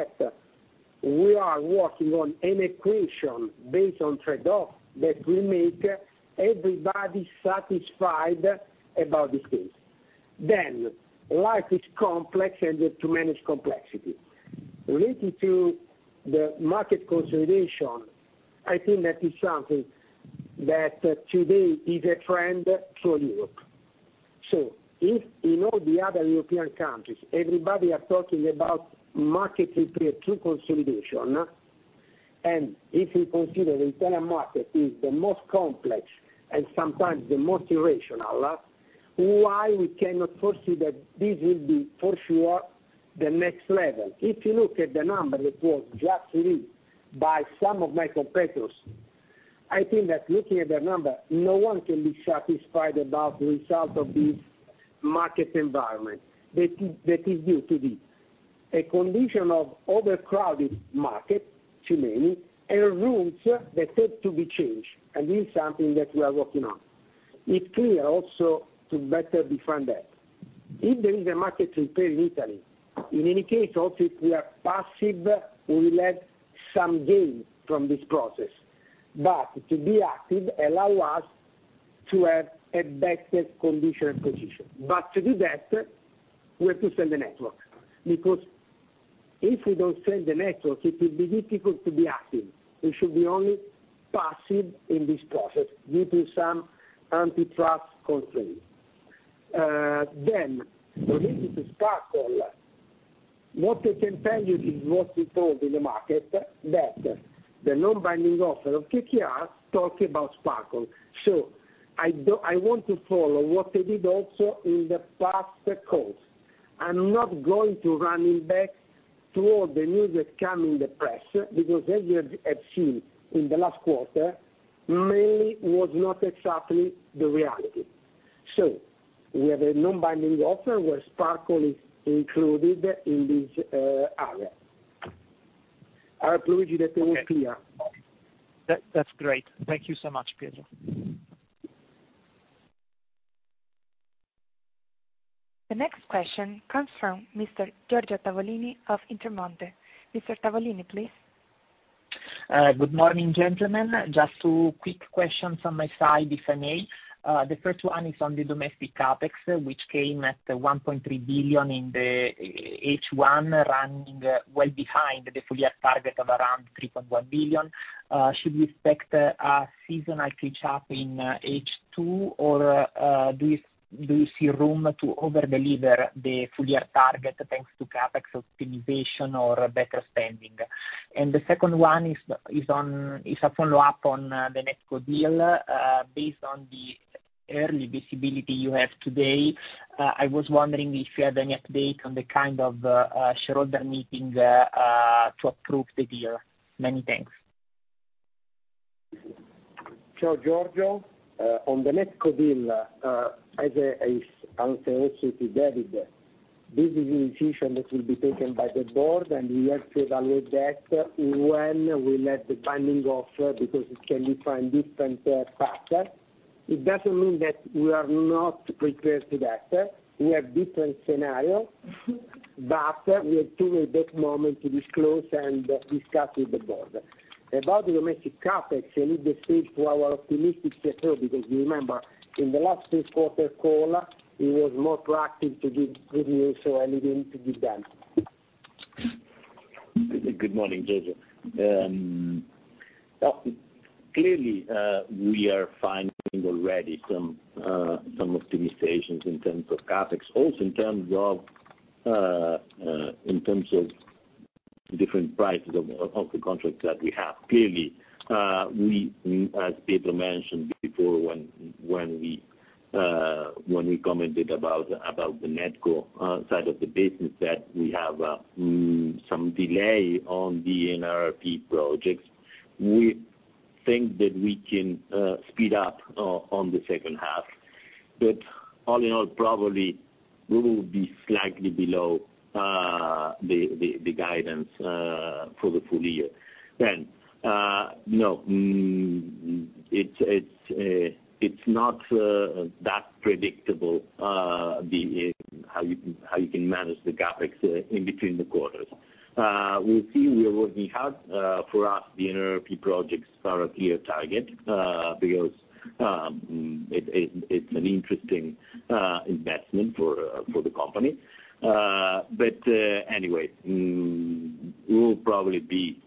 that we are working on an equation based on trade-off that will make everybody satisfied about this case. Life is complex and to manage complexity. Related to the market consolidation, I think that is something that today is a trend through Europe. If in all the other European countries, everybody are talking about market repair through consolidation. If we consider the Italian market is the most complex and sometimes the most irrational, why we cannot foresee that this will be for sure the next level? If you look at the number that was just released by some of my competitors, I think that looking at the number, no one can be satisfied about the result of this market environment. That is, that is due to this, a condition of overcrowded market, too many, and rules that have to be changed, and this is something that we are working on. It's clear also to better define that. If there is a market repair in Italy, in any case, also, if we are passive, we will have some gain from this process. To be active allow us to have a better condition and position. To do that, we have to sell the network, because if we don't sell the network, it will be difficult to be active. We should be only passive in this process due to some antitrust concerns. Related to Sparkle, what I can tell you is what we told in the market, that the non-binding offer of KKR talking about Sparkle. I want to follow what I did also in the past calls. I'm not going to running back through all the news that come in the press, because as you have seen in the last quarter, mainly was not exactly the reality. We have a non-binding offer where Sparkle is included in this area. I hope, Luigi, that it was clear. Okay. That-that's great. Thank you so much, Pietro. The next question comes from Mr. Giorgio Tavolini of Intermonte. Mr. Tavolini, please. Good morning, gentlemen. Just two quick questions on my side, if I may. The first one is on the Domestic CapEx, which came at 1.3 billion in the H1, running well behind the full-year target of around 3.1 billion. Should we expect a seasonal catch up in H2, or do you see room to over-deliver the full-year target, thanks to CapEx optimization or better spending? The second one is a follow-up on the NetCo deal. Based on the early visibility you have today, I was wondering if you have any update on the kind of shareholder meeting to approve the deal. Many thanks. Ciao, Giorgio. On the NetCo deal, as I, I answered also to David, this is a decision that will be taken by the board, and we have to evaluate that when we have the binding offer, because it can define different path. It doesn't mean that we are not prepared to that. We have different scenarios, but we have to wait that moment to disclose and discuss with the board. About the Domestic CapEx, I leave the stage to our optimistic CEO, because you remember, in the last first quarter call, he was more proactive to give good news, so I leave him to give them. Good morning, Giorgio. Well, clearly, we are finding already some, some optimizations in terms of CapEx. Also, in terms of, in terms of different prices of, of the contracts that we have. Clearly, we, as Pietro mentioned before, when, when we, when we commented about, about the NetCo, side of the business, that we have, some delay on the NRRP projects. We think that we can speed up on the second half. All in all, probably we will be slightly below the guidance for the full year. No, it's not that predictable how you can manage the CapEx in between the quarters. We'll see. We are working hard. For us, the NRRP projects are a clear target, because, it, it, it's an interesting, investment for, for the company. Anyway, we will probably be,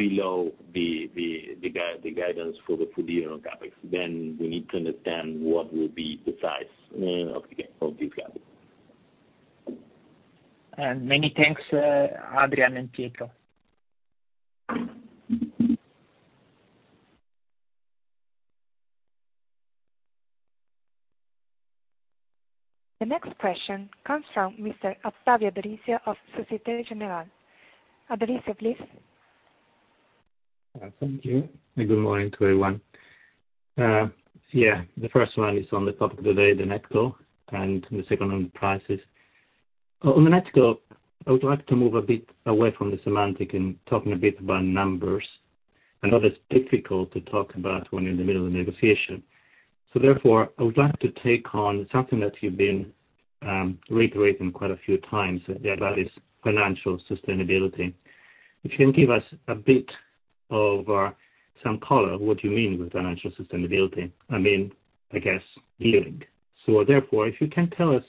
below the, the, the guide, the guidance for the full year on CapEx. We need to understand what will be the size, of the of the gap. Many thanks, Adrian and Pietro. The next question comes from Mr. Ottaviano Parisio of Societe Generale. Ottavio, please. Thank you, and good morning to everyone. The first one is on the top of the day, the NetCo, and the second on prices. On the NetCo, I would like to move a bit away from the semantic and talking a bit about numbers. I know that's difficult to talk about when you're in the middle of negotiation. Therefore, I would like to take on something that you've been reiterating quite a few times, and that is financial sustainability. If you can give us a bit of some color, what you mean with financial sustainability? I mean, I guess, gearing. Therefore, if you can tell us,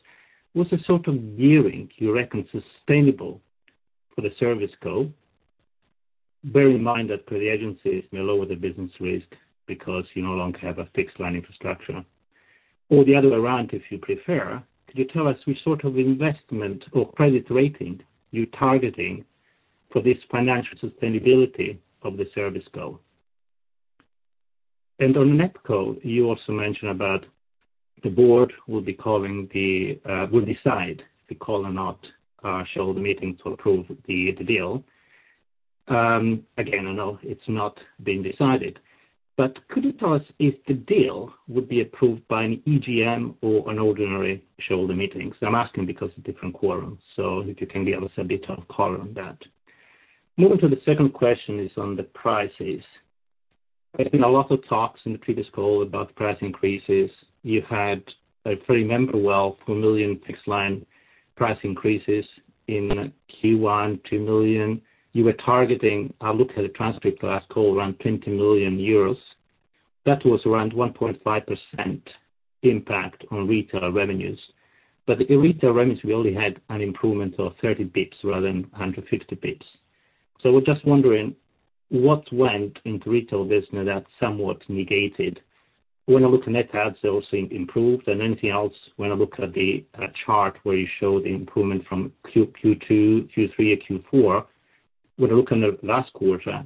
what's the sort of gearing you reckon sustainable for the ServCo? Bear in mind that the agencies may lower the business risk because you no longer have a fixed line infrastructure. or the other around, if you prefer, could you tell us which sort of investment or credit rating you're targeting for this financial sustainability of the service goal? On NetCo, you also mentioned about the board will be calling, will decide to call or not, shareholder meeting to approve the deal. Again, I know it's not been decided, but could you tell us if the deal would be approved by an EGM or an ordinary shareholder meeting? I'm asking because of different quorums, so if you can give us a bit of color on that. Moving to the second question is on the prices. There's been a lot of talks in the previous call about price increases. You had, if I remember well, 4 million fixed-line price increases in Q1, 2 million. You were targeting, I looked at the transcript of last call, around 20 million euros. That was around 1.5% impact on retail revenues. In retail revenues, we only had an improvement of 30 basis points rather than 150 basis points. We're just wondering what went in the retail business that somewhat negated? When I look at net adds, they also improved. Anything else, when I look at the chart where you show the improvement from Q2, Q3, and Q4, when I look on the last quarter,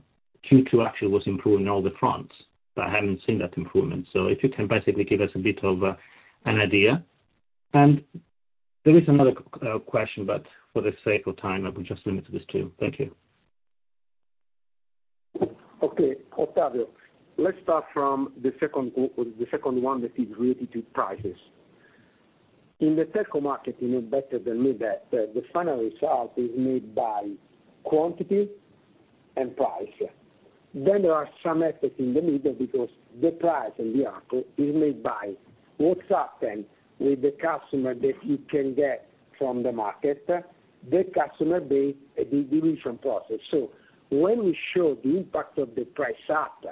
Q2 actually was improving all the fronts, but I haven't seen that improvement. If you can basically give us a bit of an idea. There is another question, but for the sake of time, I will just limit it to this two. Thank you. Okay, Ottaviano, let's start from the second one that is related to prices. In the telco market, you know better than me that the final result is made by quantity and price. There are some efforts in the middle because the price in the output is made by what happened with the customer that you can get from the market, the customer base, the division process. When we show the impact of the price up,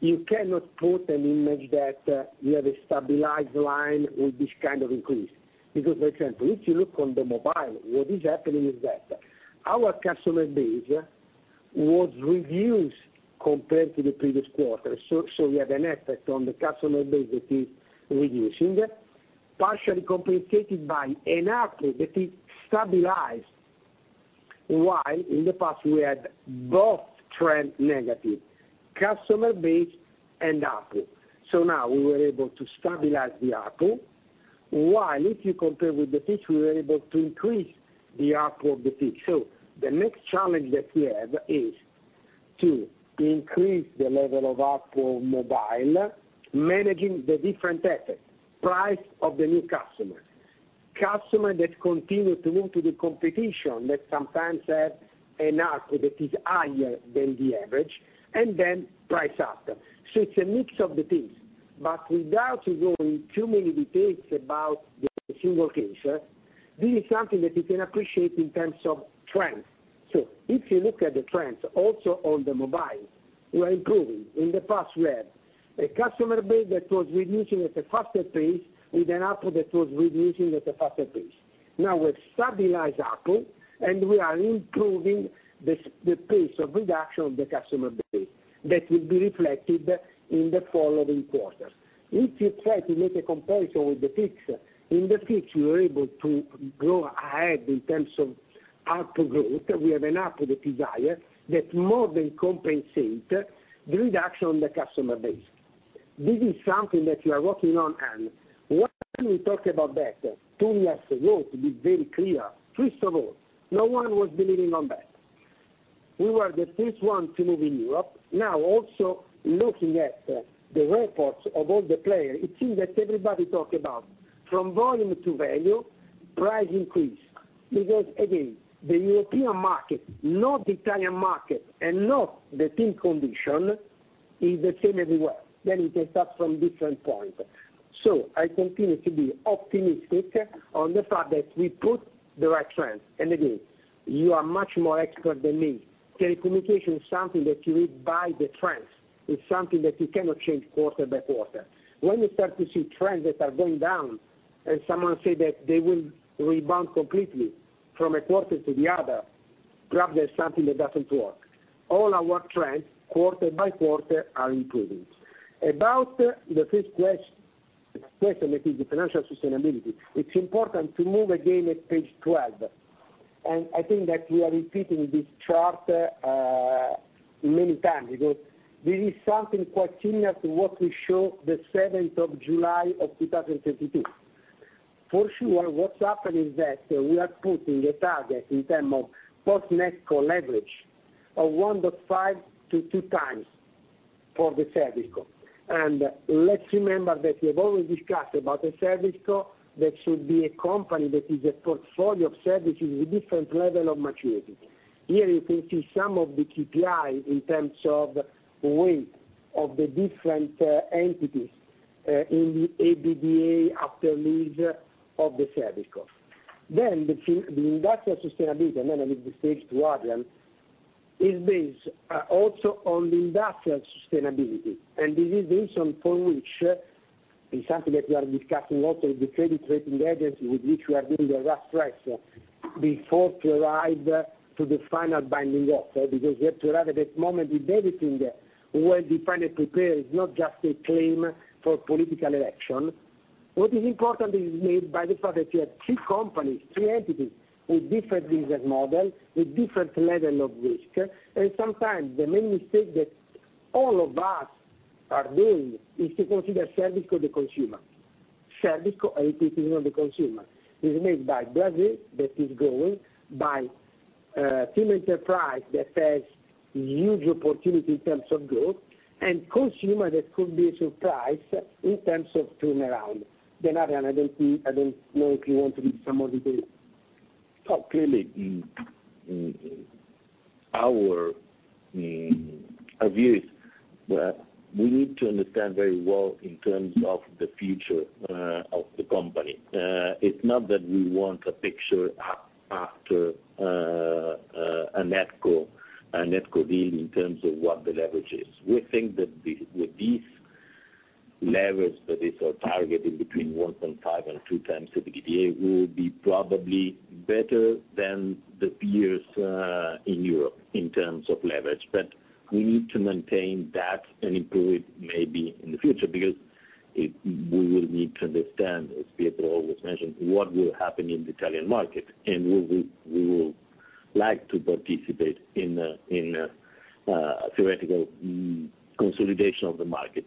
you cannot put an image that you have a stabilized line with this kind of increase. Because, for example, if you look on the mobile, what is happening is that our customer base was reduced compared to the previous quarter. We have an effect on the customer base that is reducing, partially complicated by an output that is stabilized, while in the past we had both trend negative, customer base and output. Now we were able to stabilize the output, while if you compare with the fixed, we were able to increase the output of the fixed. The next challenge that we have is to increase the level of output on mobile, managing the different efforts, price of the new customer, customer that continue to move to the competition, that sometimes have an output that is higher than the average, and then price up. It's a mix of the things, but without going too many details about the single case, this is something that you can appreciate in terms of trend. If you look at the trends also on the mobile, we are improving. In the past, we had a customer base that was reducing at a faster pace with an output that was reducing at a faster pace. Now, we've stabilized output, and we are improving the pace of reduction of the customer base. That will be reflected in the following quarters. If you try to make a comparison with the fixed, in the fixed, we were able to grow ahead in terms of output growth. We have an output that is higher, that more than compensate the reduction on the customer base. This is something that we are working on. When we talk about that 2 years ago, to be very clear, first of all, no one was believing on that. We were the first one to move in Europe. Also looking at the reports of all the players, it seems that everybody talk about from volume to value, price increase. Again, the European market, not Italian market, and not the TIM condition, is the same everywhere. You can start from different points. I continue to be optimistic on the fact that we put the right trend. Again, you are much more expert than me. Telecommunication is something that you read by the trends. It's something that you cannot change quarter by quarter. When you start to see trends that are going down, and someone say that they will rebound completely from a quarter to the other, perhaps there's something that doesn't work. All our trends, quarter by quarter, are improving. About the first question, that is the financial sustainability, it's important to move again at Slide twelve, I think that we are repeating this chart many times, because this is something quite similar to what we show July 7, 2022. For sure, what's happened is that we are putting a target in terms of post NetCo leverage of 1.5-2 times for the ServCo. Let's remember that we have already discussed about the ServCo, that should be a company that is a portfolio of services with different level of maturity. Here you can see some of the KPI in terms of weight of the different entities in the EBITDA after lease of the ServCo. The industrial sustainability, and then I leave the stage to Adrian, is based also on the industrial sustainability, and this is the reason for which, is something that we are discussing also with the credit rating agency, with which we are doing a rough draft before to arrive to the final binding offer, because we have to arrive at that moment with everything well defined and prepared, it's not just a claim for political election. What is important is made by the fact that you have three companies, three entities with different business model, with different level of risk. Sometimes the main mistake that all of us are doing is to consider ServCo the consumer. ServCo is not the consumer. It's made by Brazil, that is growing, by, TIM Enterprise that has huge opportunity in terms of growth, and TIM Consumer that could be a surprise in terms of turnaround. Adrian Calaza, I don't know if you want to give some more details. Clearly, our view is that we need to understand very well in terms of the future of the company. It's not that we want a picture after a NetCo, a NetCo deal in terms of what the leverage is. We think that the, with this leverage, that is our target in between 1.5 and 2 times EBITDA, we will be probably better than the peers in Europe in terms of leverage. We need to maintain that and improve it maybe in the future, because it we will need to understand, as Pietro always mentioned, what will happen in the Italian market, and we will, we will like to participate in a theoretical consolidation of the market.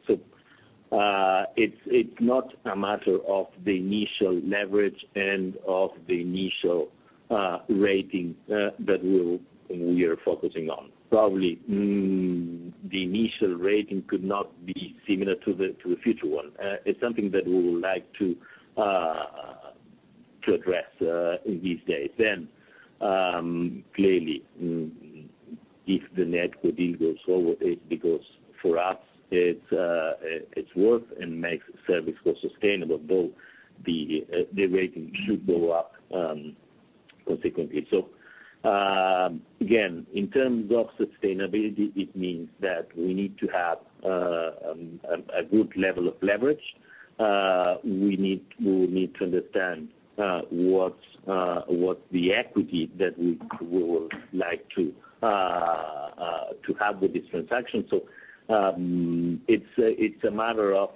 It's not a matter of the initial leverage and of the initial rating that we are focusing on. Probably, the initial rating could not be similar to the future one. It's something that we would like to address in these days. Clearly, if the NetCo deal goes over, it because for us, it's worth and makes ServCo sustainable, though the rating should go up consequently. Again, in terms of sustainability, it means that we need to have a good level of leverage. We need to understand what's what the equity that we would like to have with this transaction. It's a matter of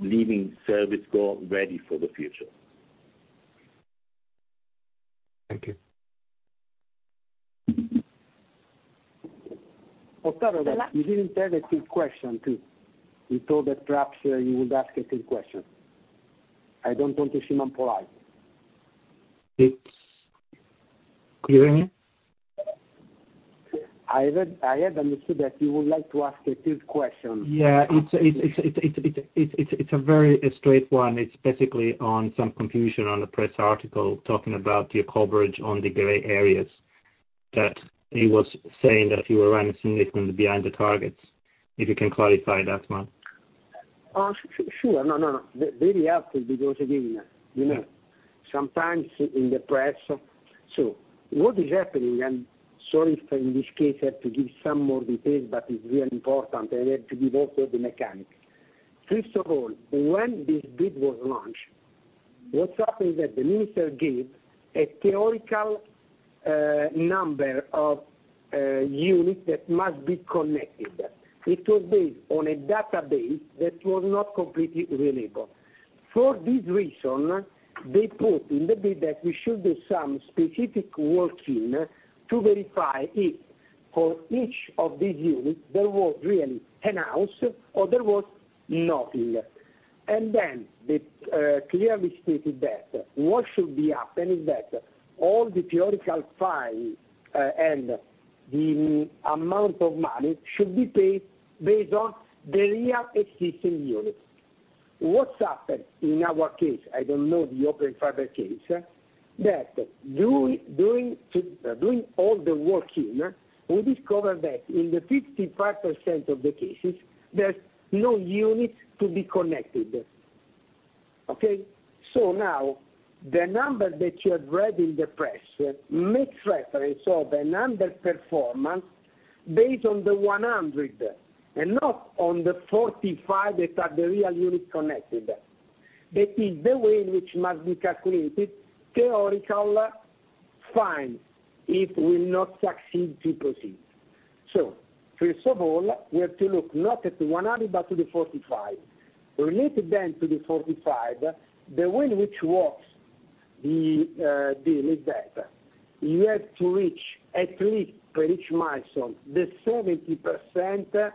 leaving ServCo ready for the future. Thank you. Ottaviano, you didn't have a third question, too. We thought that perhaps you would ask a third question. I don't want to seem impolite. It's clear, here? I had understood that you would like to ask a third question. Yeah, it's a very straight one. It's basically on some confusion on a press article talking about your coverage on the gray areas, that he was saying that you were running significantly behind the targets. If you can clarify that one? Sure. No, no, no. Very happy, because again, you know, sometimes in the press... What is happening, I'm sorry if in this case, I have to give some more details, but it's really important, and I have to give also the mechanics. First of all, when this bid was launched, what happened is that the minister gave a theoretical number of units that must be connected. It was based on a database that was not completely reliable. For this reason, they put in the bid that we should do some specific working to verify if for each of these units, there was really a house or there was nothing. Then they clearly stated that what should be happening is that all the theoretical fine and the amount of money should be paid based on the real existing units. What happened in our case, I don't know the Open Fiber case, that doing all the working, we discover that in the 55% of the cases, there's no units to be connected. Okay? Now, the number that you have read in the press makes reference of the number performance based on the 100, and not on the 45 that are the real units connected. That is the way in which must be calculated, theoretical fine, it will not succeed to proceed. First of all, we have to look not at the 100, but to the 45. Related to the 45, the way in which works the deal is that you have to reach at least for each milestone, the 70%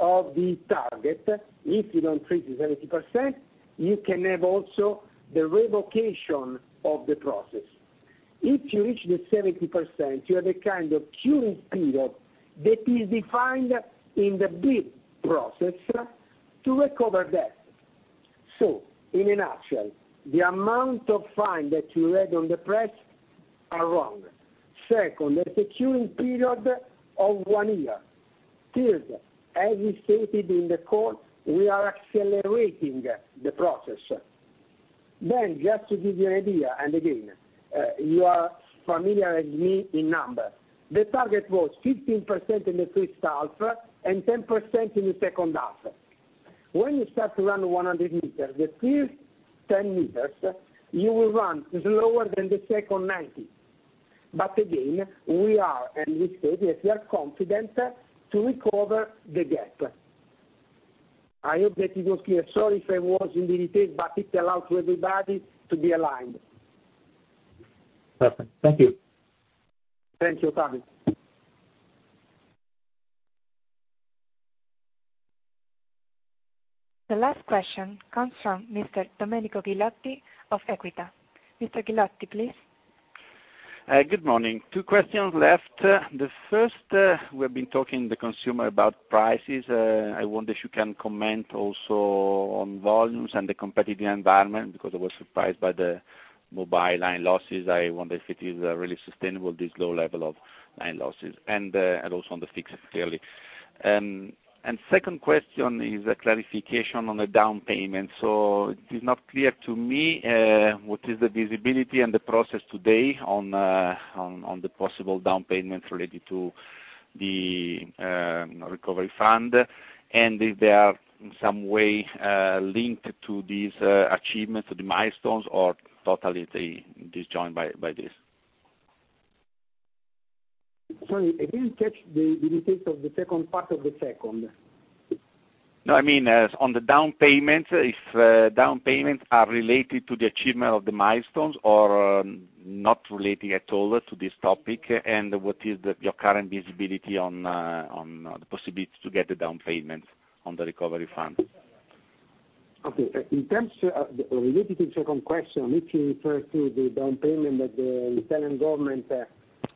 of the target. If you don't reach the 70%, you can have also the revocation of the process. If you reach the 70%, you have a kind of curing period that is defined in the bid process to recover that. In a nutshell, the amount of fine that you read on the press are wrong. Second, there's a curing period of 1 year. Third, as we stated in the call, we are accelerating the process. Just to give you an idea, and again, you are familiar as me in number. The target was 15% in the first half and 10% in the second half. When you start to run 100 meters, the first 10 meters, you will run slower than the second 90... Again, we are, and we say that we are confident to recover the gap. I hope that it was clear. Sorry if I was in detail, but it allows everybody to be aligned. Perfect. Thank you. Thank you, Ottaviano. The last question comes from Mr. Domenico Ghilotti of Equita. Mr. Ghilotti, please. Good morning. Two questions left. The first, we have been talking the consumer about prices. I wonder if you can comment also on volumes and the competitive environment, because I was surprised by the mobile line losses. I wonder if it is really sustainable, this low level of line losses, and also on the fixed clearly. Second question is a clarification on the down payment. It is not clear to me what is the visibility and the process today on, on, on the possible down payments related to the recovery fund, and if they are in some way linked to these achievements, to the milestones, or totally they disjoined by, by this? Sorry, I didn't catch the, the details of the second part of the second. No, I mean, as on the down payments, if, down payments are related to the achievement of the milestones or, not relating at all to this topic, what is your current visibility on, on the possibilities to get the down payments on the recovery fund? Okay, in terms of the related to the second question, if you refer to the down payment that the Italian government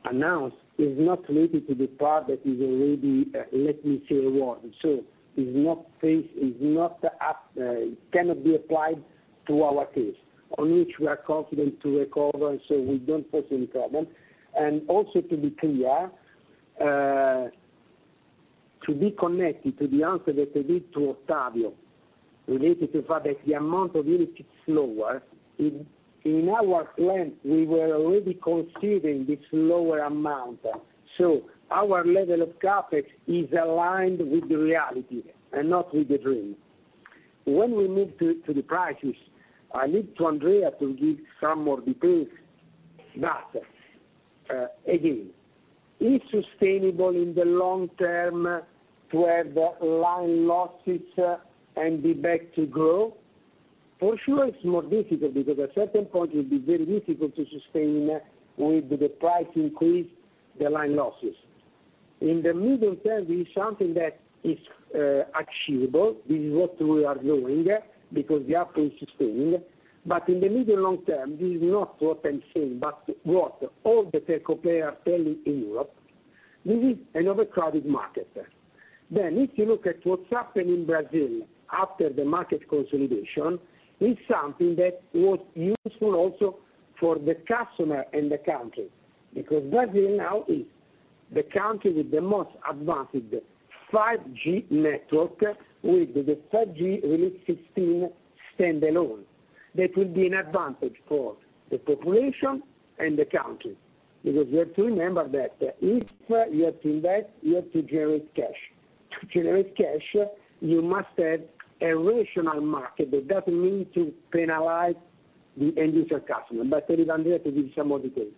announced, is not related to the part that is already, let me say, award. It's not phase, it's not up, it cannot be applied to our case, on which we are confident to recover, so we don't face any problem. To be clear, to be connected to the answer that I gave to Ottavio, related to the fact that the amount of really slower, in, in our plan, we were already considering this lower amount. Our level of CapEx is aligned with the reality and not with the dream. When we move to, to the prices, I leave to Adrian to give some more details. Again, is sustainable in the long term to have the line losses and be back to grow? For sure, it's more difficult, because at certain point it will be very difficult to sustain with the price increase, the line losses. In the medium term, this is something that is achievable. This is what we are doing, because we are price sustaining. In the medium long term, this is not what I'm saying, but what all the telco player telling in Europe, this is an overcrowded market. If you look at what's happened in Brazil after the market consolidation, it's something that was useful also for the customer and the country. Because Brazil now is the country with the most advanced 5G network, with the 5G Release 16 standalone. That will be an advantage for the population and the country. You have to remember that if you have to invest, you have to generate cash. To generate cash, you must have a rational market that doesn't mean to penalize the end user customer, but I leave Adrian to give some more details.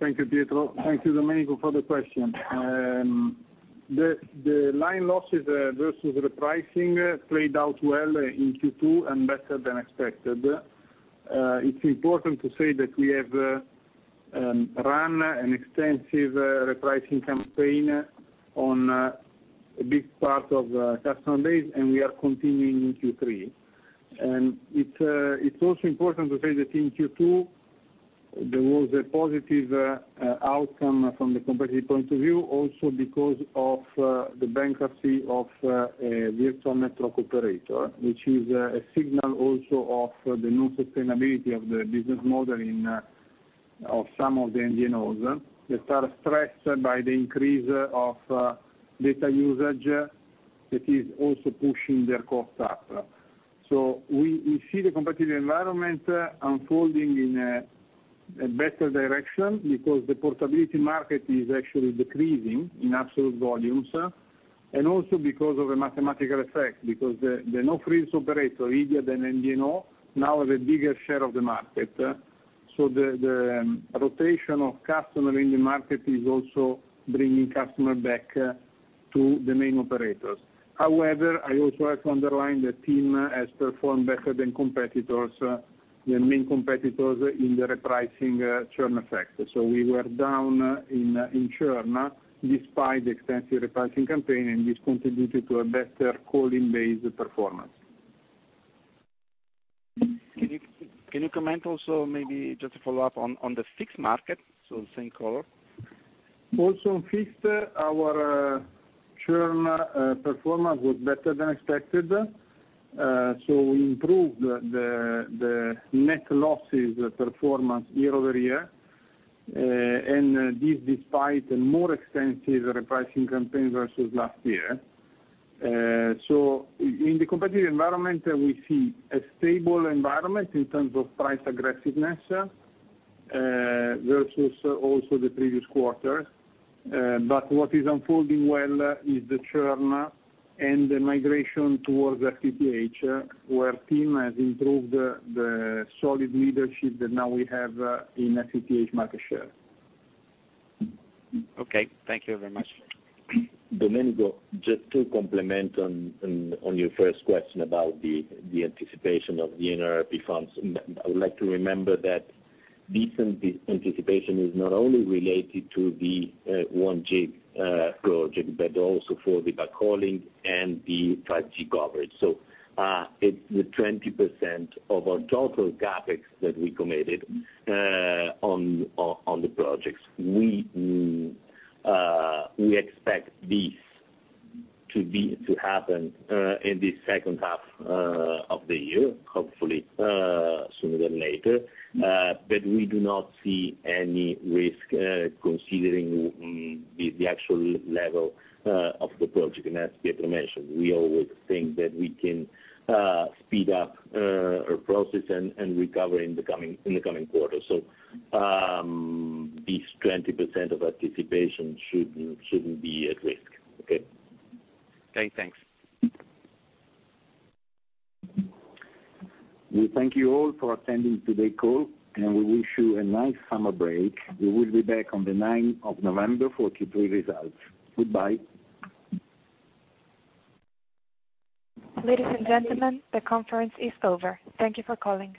Thank you, Pietro. Thank you, Domenico, for the question. The line losses versus the pricing played out well in Q2 and better than expected. It's important to say that we have run an extensive repricing campaign on a big part of the customer base, and we are continuing in Q3. It's also important to say that in Q2, there was a positive outcome from the competitive point of view, also because of the bankruptcy of a virtual network operator, which is a signal also of the new sustainability of the business model in of some of the MVNOs that are stressed by the increase of data usage, that is also pushing their cost up. We, we see the competitive environment unfolding in a better direction because the portability market is actually decreasing in absolute volumes, and also because of a mathematical effect, because the, the no-frills operator, easier than MVNO, now have a bigger share of the market. The rotation of customer in the market is also bringing customer back to the main operators. However, I also have to underline the TIM has performed better than competitors, the main competitors in the repricing, churn effect. We were down in churn, despite the extensive repricing campaign, and this contributed to a better calling base performance. Can you, can you comment also, maybe just to follow up on, on the fixed market, so the same call? Also, on fixed, our churn performance was better than expected. We improved the net losses performance year-over-year, and this despite a more extensive repricing campaign versus last year. In the competitive environment, we see a stable environment in terms of price aggressiveness, versus also the previous quarter. What is unfolding well is the churn, and the migration towards FTTH, where TIM has improved the solid leadership that now we have, in FTTH market share. Okay, thank you very much. Domenico, just to complement on your first question about the anticipation of the NRRP funds, I would like to remember that this anticipation is not only related to the 1 gig project, but also for the backhauling and the 5G coverage. It's the 20% of our total CapEx that we committed on the projects. We expect this to happen in the second half of the year, hopefully, sooner than later. But we do not see any risk considering the actual level of the project. As Pietro mentioned, we always think that we can speed up our process and recover in the coming quarters. This 20% of anticipation shouldn't be at risk. Okay? Okay, thanks. We thank you all for attending today's call, and we wish you a nice summer break. We will be back on the ninth of November for Q3 results. Goodbye. Ladies and gentlemen, the conference is over. Thank you for calling.